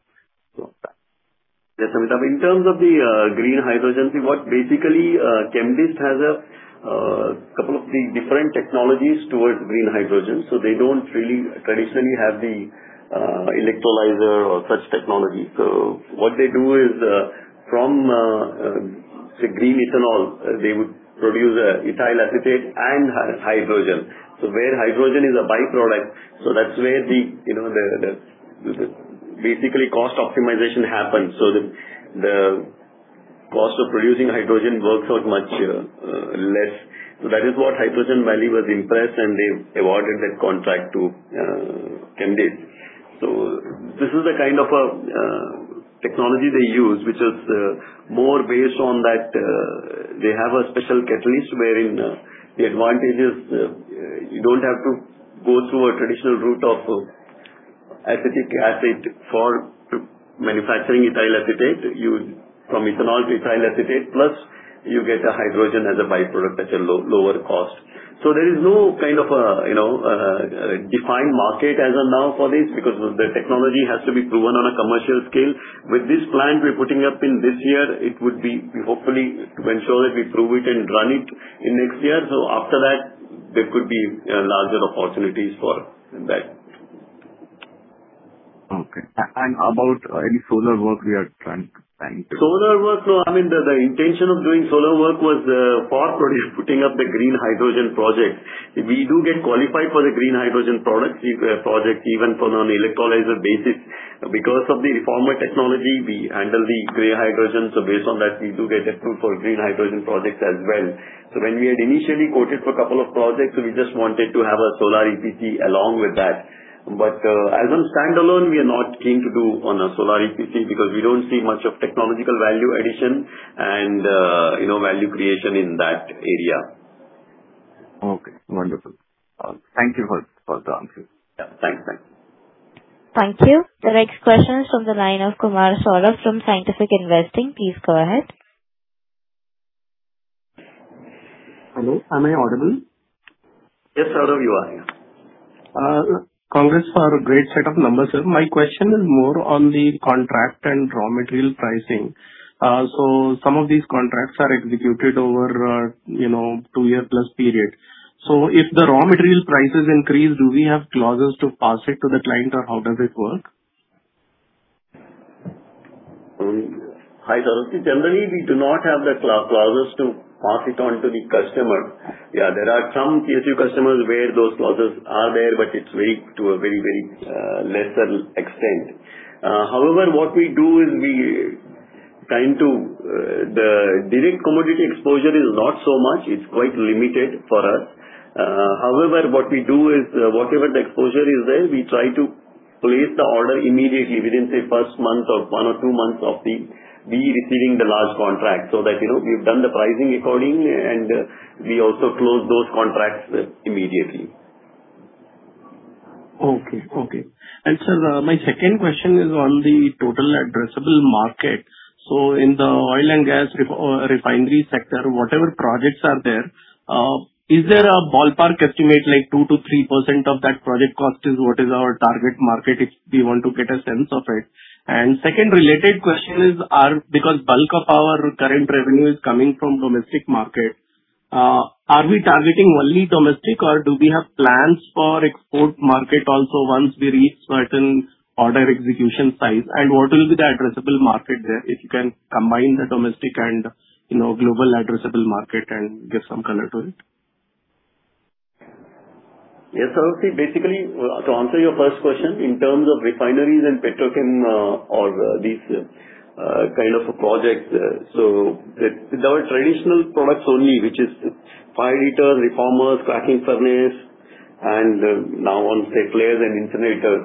[SPEAKER 3] Yes, Amitabh. In terms of the green hydrogen, basically, Chemdist has a couple of three different technologies towards green hydrogen. They don't really traditionally have the electrolyzer or such technology. What they do is, from say, green ethanol, they would produce ethyl acetate and hydrogen. Where hydrogen is a by-product, that's where, basically, cost optimization happens. The cost of producing hydrogen works out much less. That is what Hydrogen Valley was impressed, and they awarded that contract to Chemdist. This is the kind of technology they use, which is more based on that they have a special catalyst where in the advantage is you don't have to go through a traditional route of acetic acid for manufacturing ethyl acetate. From ethanol to ethyl acetate, plus you get a hydrogen as a by-product at a lower cost. There is no kind of a defined market as of now for this, because the technology has to be proven on a commercial scale. With this plant we're putting up in this year, it would be hopefully to ensure that we prove it and run it in next year. After that, there could be larger opportunities for that.
[SPEAKER 13] Okay. About any solar work?
[SPEAKER 3] Solar work, the intention of doing solar work was for putting up the green hydrogen project. We do get qualified for the green hydrogen project even for an electrolyzer basis. Of the reformer technology, we handle the gray hydrogen. Based on that, we do get approved for green hydrogen projects as well. When we had initially quoted for a couple of projects, we just wanted to have a Solar EPC along with that. As a standalone, we are not keen to do on a Solar EPC because we don't see much of technological value addition and value creation in that area.
[SPEAKER 13] Okay, wonderful. Thank you for the answer.
[SPEAKER 3] Yeah. Thanks, sir.
[SPEAKER 1] Thank you. The next question is from the line of Kumar Saurav from Scientific Investing. Please go ahead.
[SPEAKER 14] Hello, am I audible?
[SPEAKER 3] Yes, Saurav, you are.
[SPEAKER 14] Congrats for a great set of numbers, sir. My question is more on the contract and raw material pricing. Some of these contracts are executed over a two-year plus period. If the raw material prices increase, do we have clauses to pass it to the client or how does it work?
[SPEAKER 3] Hi, Saurav. Generally we do not have the clauses to pass it on to the customer. Yeah, there are some PSU customers where those clauses are there, but it's to a very lesser extent. However, what we do is, the direct commodity exposure is not so much. It's quite limited for us. However, what we do is, whatever the exposure is there, we try to place the order immediately within, say, first month or one or two months of we receiving the large contract so that we've done the pricing according, and we also close those contracts immediately.
[SPEAKER 14] Okay. sir, my second question is on the total addressable market. In the oil and gas refinery sector, whatever projects are there, is there a ballpark estimate, like 2%-3% of that project cost is what is our target market, if we want to get a sense of it? Second related question is, because bulk of our current revenue is coming from domestic market, are we targeting only domestic or do we have plans for export market also once we reach certain order execution size? What will be the addressable market there, if you can combine the domestic and global addressable market and give some color to it?
[SPEAKER 3] Yes, Saurav. Basically, to answer your first question in terms of refineries and petrochem or these kind of projects. They are traditional products only, which is fired heater, reformers, cracking furnace and now on, say, flares and incinerators.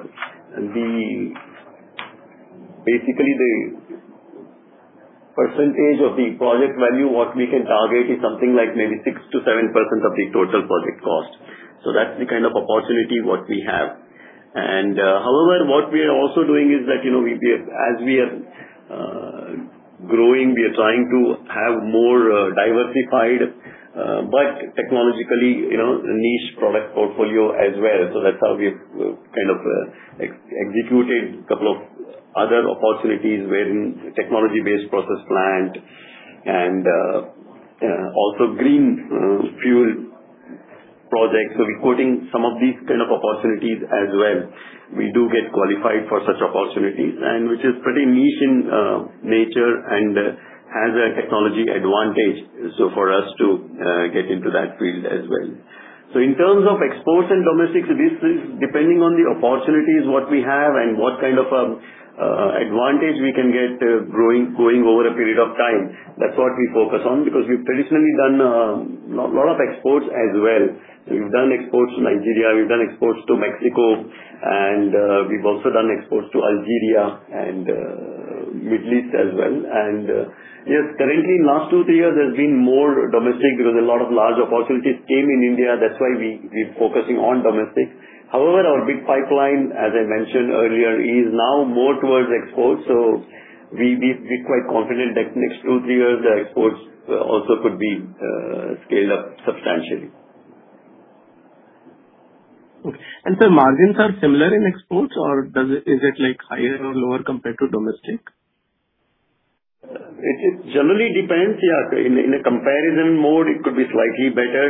[SPEAKER 3] Basically, the percentage of the project value what we can target is something like maybe 6%-7% of the total project cost. That's the kind of opportunity what we have. However, what we are also doing is that as we are growing, we are trying to have more diversified but technologically niche product portfolio as well. That's how we've kind of executed couple of other opportunities where in technology-based process plant and also green fuel projects. We're quoting some of these kind of opportunities as well. We do get qualified for such opportunities and which is pretty niche in nature and has a technology advantage so for us to get into that field as well. In terms of exports and domestics, this is depending on the opportunities, what we have and what kind of advantage we can get going over a period of time. That's what we focus on because we've traditionally done a lot of exports as well. We've done exports to Nigeria, we've done exports to Mexico, and we've also done exports to Algeria and Middle East as well. Yes, currently in last two, three years there's been more domestic because a lot of large opportunities came in India. That's why we're focusing on domestic. However, our big pipeline, as I mentioned earlier, is now more towards exports. We're quite confident that next two, three years the exports also could be scaled up substantially.
[SPEAKER 14] Okay. Sir, margins are similar in exports or is it higher or lower compared to domestic?
[SPEAKER 3] It generally depends. In a comparison mode it could be slightly better.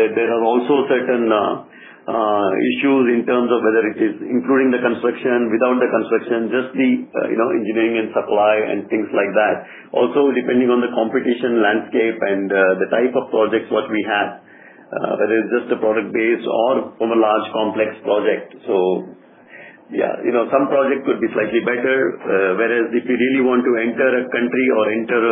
[SPEAKER 3] There are also certain issues in terms of whether it is including the construction, without the construction, just the engineering and supply and things like that. Also depending on the competition landscape and the type of projects what we have, whether it's just a product base or a large complex project. Some projects could be slightly better, whereas if we really want to enter a country or enter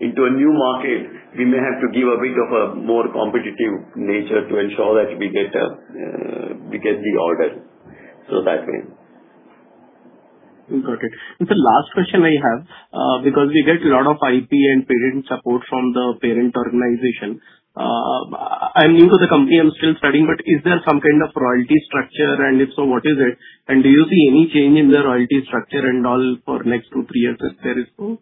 [SPEAKER 3] into a new market, we may have to give a bit of a more competitive nature to ensure that we get the orders. That way.
[SPEAKER 14] Got it. Sir last question I have, because we get lot of IP and patent support from the parent organization. I'm new to the company, I'm still studying, but is there some kind of royalty structure and if so, what is it? Do you see any change in the royalty structure and all for next two, three years if there is so?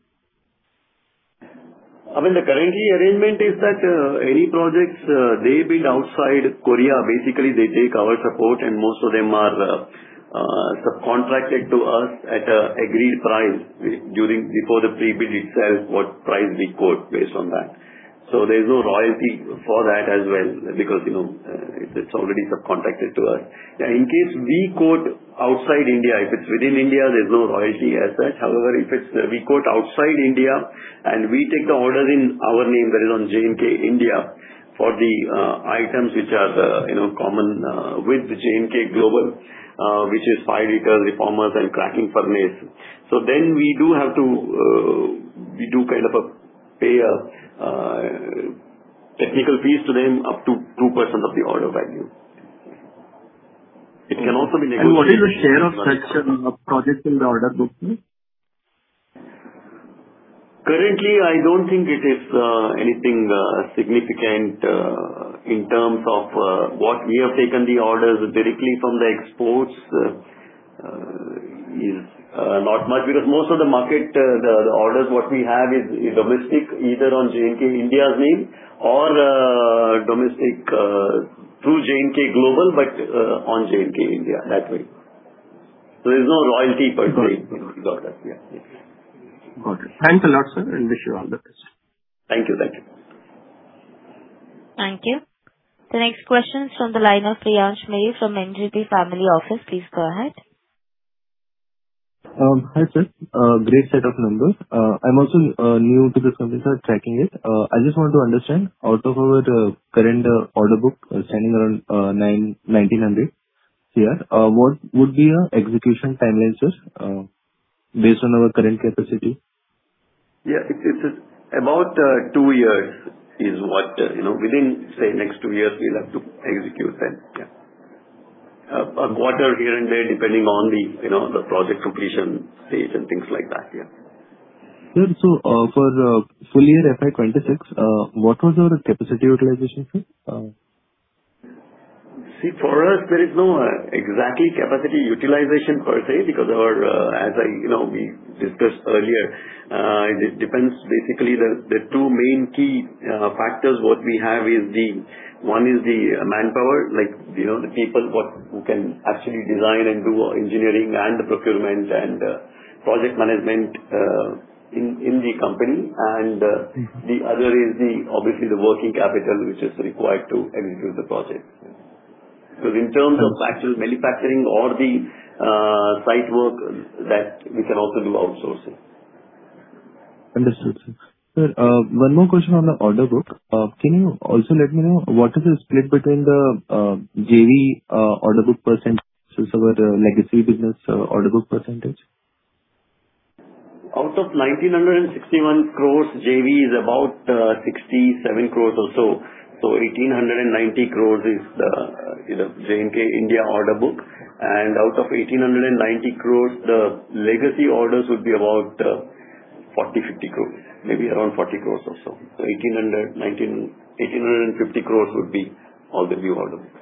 [SPEAKER 3] I mean, the current arrangement is that any projects they build outside Korea, basically they take our support and most of them are subcontracted to us at agreed price during, before the pre-bid itself what price we quote based on that. There's no royalty for that as well because it's already subcontracted to us. In case we quote outside India, if it's within India there's no royalty as such. However, if we quote outside India and we take the order in our name that is on JNK India for the items which are common with JNK Global, which is fired heater, reformers and cracking furnace. Then we do kind of pay a technical fees to them up to 2% of the order value. It can also be negotiated.
[SPEAKER 14] What is the share of such projects in the order book?
[SPEAKER 3] Currently, I don't think it is anything significant in terms of what we have taken the orders directly from the exports is not much because most of the market, the orders what we have is domestic, either on JNK India's name or domestic through JNK Global, but on JNK India that way. There's no royalty per se.
[SPEAKER 14] Got it. Thanks a lot, sir, and wish you all the best.
[SPEAKER 3] Thank you.
[SPEAKER 1] Thank you. The next question is from the line of Priyansh Mehra from NGP Family Office. Please go ahead.
[SPEAKER 15] Hi, sir. Great set of numbers. I'm also new to this company, sir, tracking it. I just want to understand out of our current order book standing around 1,900 crores, what would be our execution timeline, sir, based on our current capacity?
[SPEAKER 3] Yeah. It's about two years is what, within, say, next two years, we'll have to execute them. A quarter here and there, depending on the project completion stage and things like that.
[SPEAKER 15] Sir, for full year FY 2026, what was our capacity utilization fee?
[SPEAKER 3] See, for us, there is no exactly capacity utilization per se because our, as we discussed earlier, it depends. Basically, the two main key factors, what we have is the, one is the manpower, the people who can actually design and do engineering and the procurement and project management in the company. The other is obviously the working capital, which is required to execute the project. Because in terms of actual manufacturing or the site work, that we can also do outsourcing.
[SPEAKER 15] Understood, sir. Sir, one more question on the order book. Can you also let me know what is the split between the JV order book percentage versus our legacy business order book percentage?
[SPEAKER 3] Out of 1,961 crores, JV is about 67 crores or so. 1,890 crores is the JNK India order book. Out of 1,890 crores, the legacy orders would be about 40, 50 crores, maybe around 40 crores or so. 1,850 crores would be all the new order book.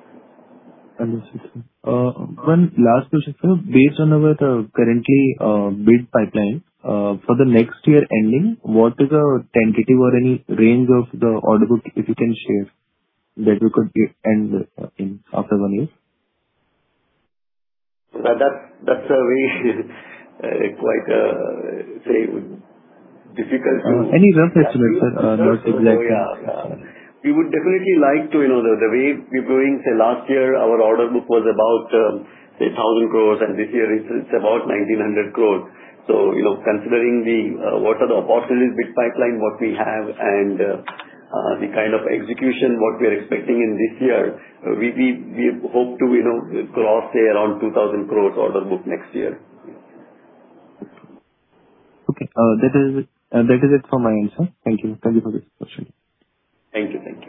[SPEAKER 15] Understood, sir. One last question, sir. Based on our currently bid pipeline, for the next year ending, what is our tentative or any range of the order book, if you can share, that you could get end in after one year?
[SPEAKER 3] That's a very difficult one.
[SPEAKER 15] Any rough estimate, sir.
[SPEAKER 3] We would definitely like to, the way we're going, say last year, our order book was about say, 1,000 crores, and this year it's about 1,900 crores. considering what are the possible bid pipeline, what we have, and the kind of execution, what we are expecting in this year, we hope to cross say around 2,000 crores order book next year.
[SPEAKER 15] Okay. That is it for my end, sir. Thank you. Thank you for this question.
[SPEAKER 3] Thank you.
[SPEAKER 1] Thank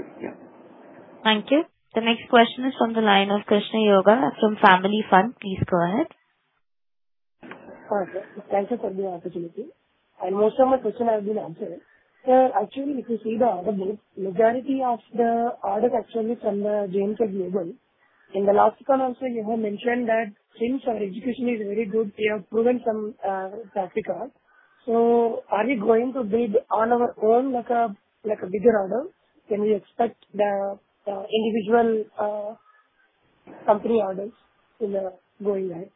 [SPEAKER 1] you. The next question is from the line of Krishna Yoga from Family Fund. Please go ahead.
[SPEAKER 16] Hi, sir. Thank you for the opportunity. most of my question has been answered. Sir, actually, if you see the order book, majority of the order is actually from the JNK Global. In the last call also, you have mentioned that since our execution is very good, we have proven some
[SPEAKER 3] Yeah.
[SPEAKER 16] Africa. are we going to bid on our own, like a bigger order? Can we expect the individual company orders in the going ahead?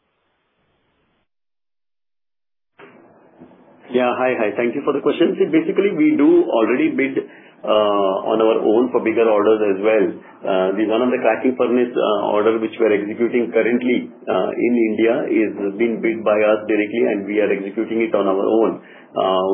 [SPEAKER 3] Yeah. Hi. Thank you for the question. See, basically, we do already bid on our own for bigger orders as well. The one on the cracking furnace order, which we're executing currently in India, is being bid by us directly, and we are executing it on our own,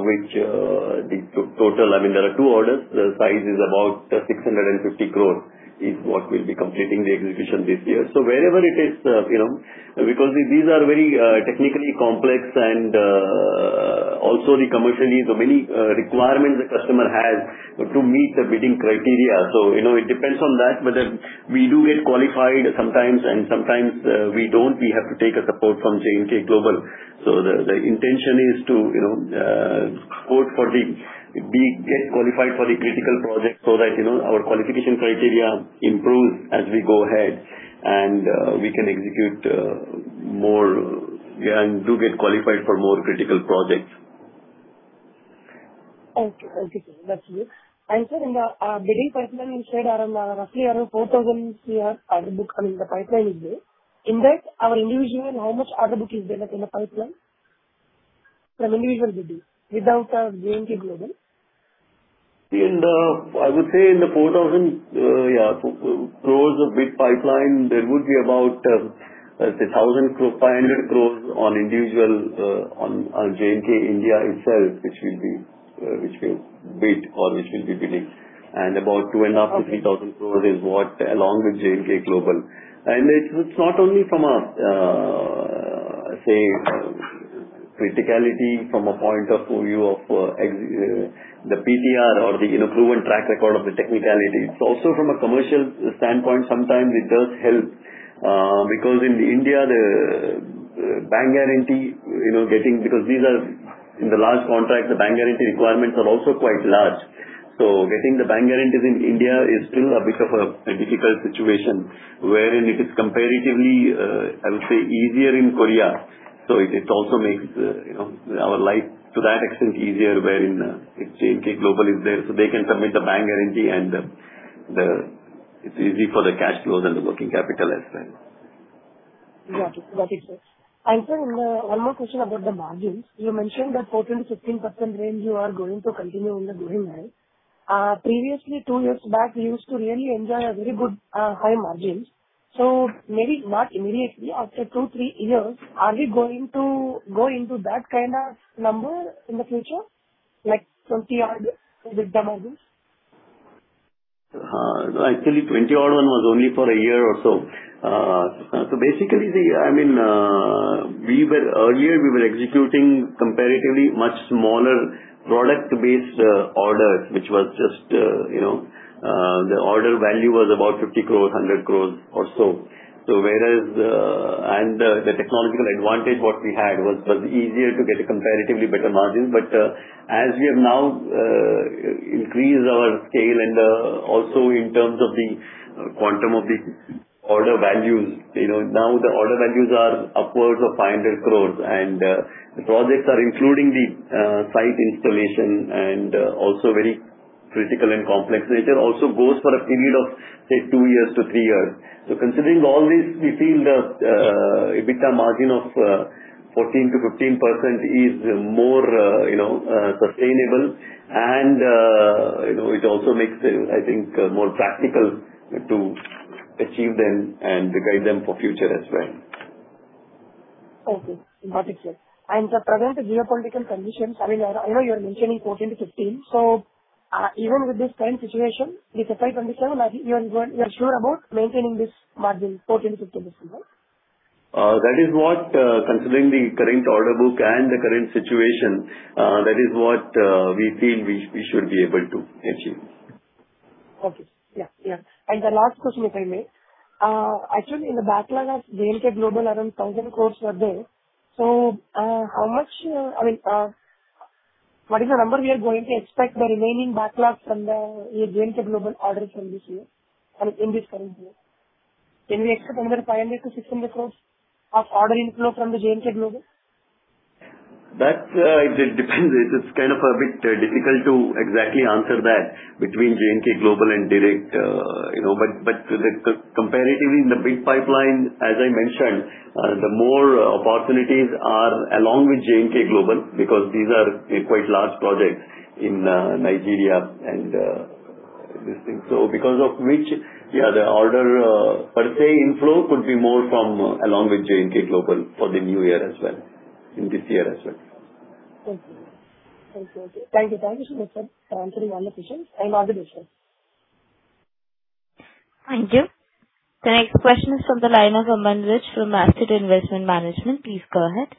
[SPEAKER 3] which the total, I mean, there are two orders. The size is about 650 crore is what we'll be completing the execution this year. Wherever it is, because these are very technically complex and also the commercial is many requirements the customer has to meet the bidding criteria. It depends on that, whether we do get qualified sometimes, and sometimes we don't. We have to take a support from JNK Global. The intention is we get qualified for the critical projects so that our qualification criteria improves as we go ahead and we can execute more and do get qualified for more critical projects.
[SPEAKER 16] Okay, sir. That's clear. Sir, in the bidding pipeline, you said around roughly 4,000 CR order book, I mean, the pipeline is there. In that, our individual, how much order book is there like in the pipeline from individual bidding without JNK Global?
[SPEAKER 3] I would say in the 4,000 crores of bid pipeline, there would be about, say, 500 crores on individual, on JNK India itself, which we've bid or which we'll be bidding. About two and a half to three thousand crores is what along with JNK Global. it's not only from a, say, criticality from a point of view of the PTR or the proven track record of the technicality. Also from a commercial standpoint, sometimes it does help because in India, the bank guarantee, because these are in the large contracts, the bank guarantee requirements are also quite large. Getting the bank guarantees in India is still a bit of a difficult situation, where in it is comparatively, I would say, easier in Korea. It also makes our life, to that extent, easier wherein JNK Global is there, so they can submit the bank guarantee and it's easy for the cash flows and the working capital as well.
[SPEAKER 16] Got it, sir. Sir, one more question about the margins. You mentioned that 14%-15% range you are going to continue in the going ahead. Previously, two years back, we used to really enjoy very good high margins. Maybe not immediately after two, three years, are we going to go into that kind of number in the future? Like 20 odd EBITDA margins?
[SPEAKER 3] Actually, 20 odd one was only for a year or so. Basically, earlier we were executing comparatively much smaller product-based orders. The order value was about 50 crores, 100 crores or so. The technological advantage what we had was easier to get a comparatively better margin. As we have now increased our scale and also in terms of the quantum of the order values, now the order values are upwards of 500 crores, and the projects are including the site installation and also very critical and complex nature also goes for a period of, say, two years-three years. Considering all this, we feel the EBITDA margin of 14%-15% is more sustainable and it also makes, I think, more practical to achieve them and guide them for future as well.
[SPEAKER 16] Okay. Got it, sir. Present geopolitical conditions, I know you're mentioning 14%-15%, so even with this current situation, with FY 2027, you are sure about maintaining this margin, 14%-15%?
[SPEAKER 3] That is what, considering the current order book and the current situation, that is what we feel we should be able to achieve.
[SPEAKER 16] Okay. Yeah. The last question, if I may. Actually, in the backlog of JNK Global, around 1,000 crores were there. What is the number we are going to expect the remaining backlogs from the JNK Global orders from this year, in this current year? Can we expect another 500-600 crores of order inflow from the JNK Global?
[SPEAKER 3] That depends. It's kind of a bit difficult to exactly answer that between JNK Global and direct. Comparatively in the big pipeline, as I mentioned, the more opportunities are along with JNK Global because these are quite large projects in Nigeria and this thing. Because of which, the order per se inflow could be more from along with JNK Global for the new year as well, in this year as well.
[SPEAKER 16] Thank you. Thank you, sir, for answering all the questions. I'm done, sir.
[SPEAKER 1] Thank you. The next question is from the line of Aman Rich from Asset Investment Management. Please go ahead.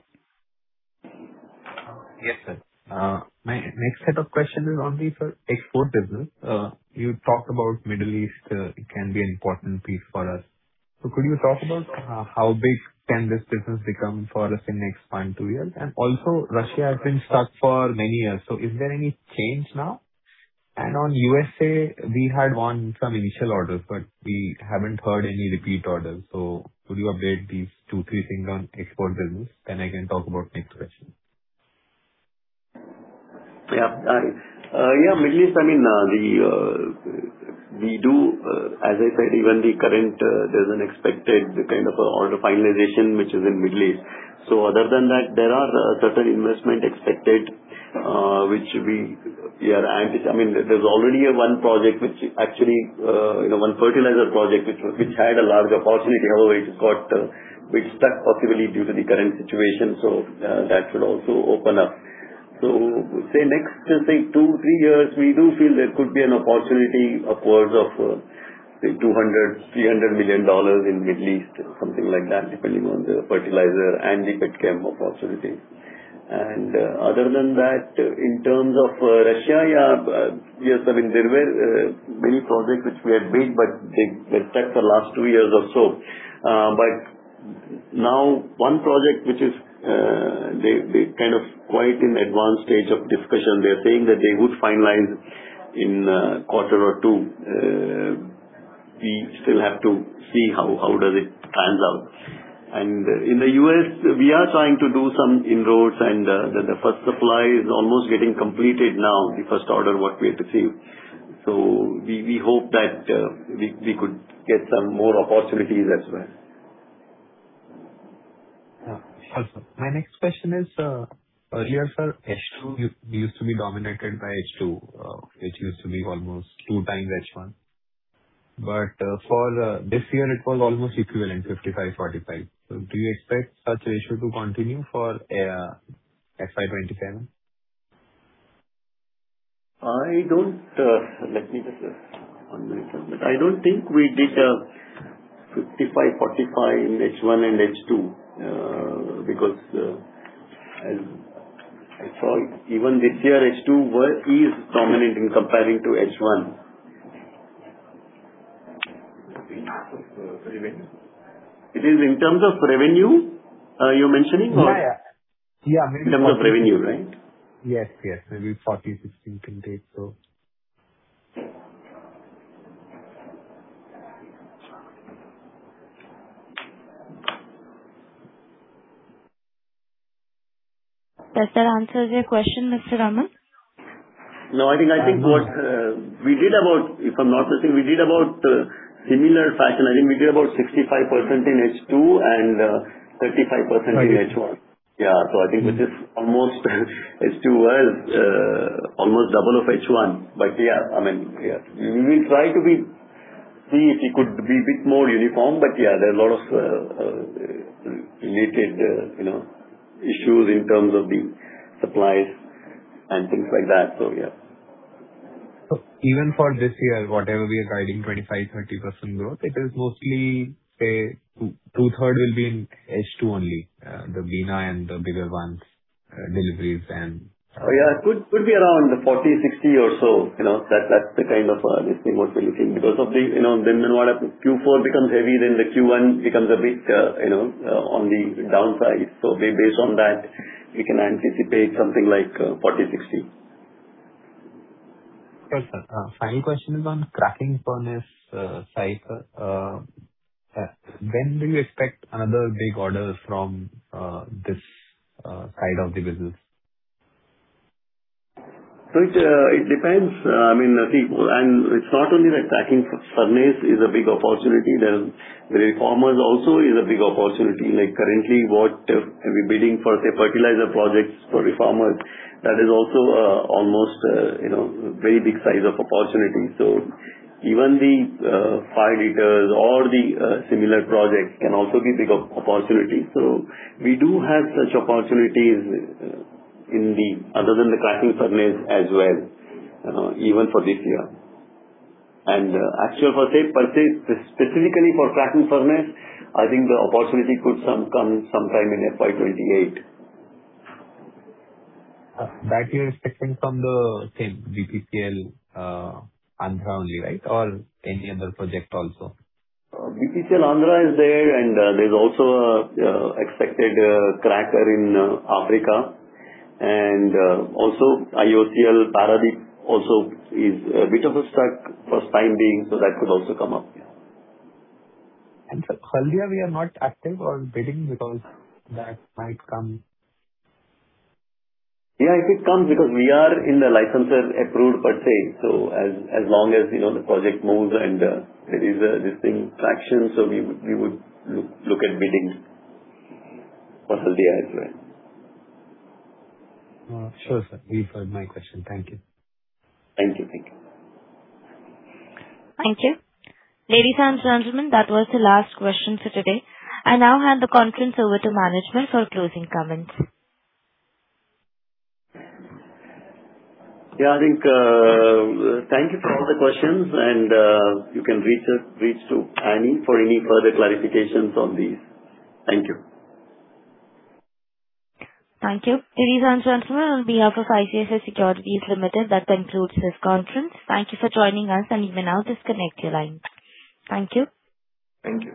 [SPEAKER 17] Yes, sir. My next set of questions will be on export business. You talked about Middle East can be an important piece for us. Could you talk about how big can this business become for us in next one, two years? Also, Russia has been stuck for many years. Is there any change now? On U.S.A., we had won some initial orders, but we haven't heard any repeat orders. Could you update these two, three things on export business? I can talk about next question.
[SPEAKER 3] Yeah. Middle East, as I said, even the current, there's an expected kind of order finalization which is in Middle East. Other than that, there are certain investment expected. There's already one project, one fertilizer project, which had a large opportunity. However, it got stuck possibly due to the current situation. That should also open up. Say next two, three years, we do feel there could be an opportunity upwards of say INR 200 million-INR 300 million in Middle East, something like that, depending on the fertilizer and the petchem opportunity. Other than that, in terms of Russia, yes, there were many projects which we had made, but they got stuck for last two years or so. Now one project which is quite in advanced stage of discussion, they're saying that they would finalize in a quarter or two. We still have to see how does it pans out. In the U.S., we are trying to do some inroads, and the first supply is almost getting completed now, the first order what we had received. We hope that we could get some more opportunities as well.
[SPEAKER 17] Yeah. Awesome. My next question is, earlier, sir, H2 used to be dominated by H2. It used to be almost 2x H1. For this year it was almost equivalent, 55/45. Do you expect such ratio to continue for FY 2027?
[SPEAKER 3] I don't think we did a 55-45 in H1 and H2 because as I saw, even this year H2 is dominant in comparing to H1.
[SPEAKER 17] In terms of revenue?
[SPEAKER 3] It is in terms of revenue you're mentioning or?
[SPEAKER 17] Yeah.
[SPEAKER 3] In terms of revenue, right?
[SPEAKER 17] Yes. Maybe 40/60 can take, so
[SPEAKER 1] Does that answer your question, Mr. Aman?
[SPEAKER 3] No, I think what we did, if I'm not mistaken, we did about a similar fashion. I think we did about 65% in H2 and 35% in H1. I think this is almost H2 was almost double of H1. We will try to see if it could be a bit more uniform. There are a lot of related issues in terms of the supplies and things like that.
[SPEAKER 17] Even for this year, whatever we are guiding, 25%, 30% growth, it is mostly, say, 2/3 will be in H2 only. The Bina and the bigger ones deliveries and-
[SPEAKER 3] Could be around the 40/60 or so. That's the kind of listing what we're looking. Because then what happens, Q4 becomes heavy, then the Q1 becomes a bit on the downside. Based on that, we can anticipate something like 40/60.
[SPEAKER 17] Okay, sir. Final question is on cracking furnace side. When do you expect another big order from this side of the business?
[SPEAKER 3] It depends. I think it's not only the cracking furnace is a big opportunity, the reformers also is a big opportunity. Currently what we're bidding for, say, fertilizer projects for reformers, that is also almost a very big size of opportunity. Even the fired heaters or the similar projects can also be big opportunities. We do have such opportunities other than the cracking furnace as well, even for this year. Actually, per se, specifically for cracking furnace, I think the opportunity could come sometime in FY 2028.
[SPEAKER 17] That you're expecting from the same BPCL Andhra only, right? Or any other project also?
[SPEAKER 3] BPCL Andhra is there, and there's also expected cracker in Africa. Also IOCL Paradip also is a bit of a stuck for time being, so that could also come up.
[SPEAKER 17] Haldia, we are not active on bidding because that might come.
[SPEAKER 3] It could come because we are in the licensor approved, per se. As long as the project moves and there is this thing traction, so we would look at biddings for Haldia as well.
[SPEAKER 17] Sure, sir. Leave for my question. Thank you.
[SPEAKER 3] Thank you.
[SPEAKER 1] Thank you. Ladies and gentlemen, that was the last question for today. I now hand the conference over to management for closing comments.
[SPEAKER 3] Thank you for all the questions, and you can reach to Ami for any further clarifications on these. Thank you.
[SPEAKER 1] Thank you. Ladies and gentlemen, on behalf of ICICI Securities Limited, that concludes this conference. Thank you for joining us, and you may now disconnect your line. Thank you.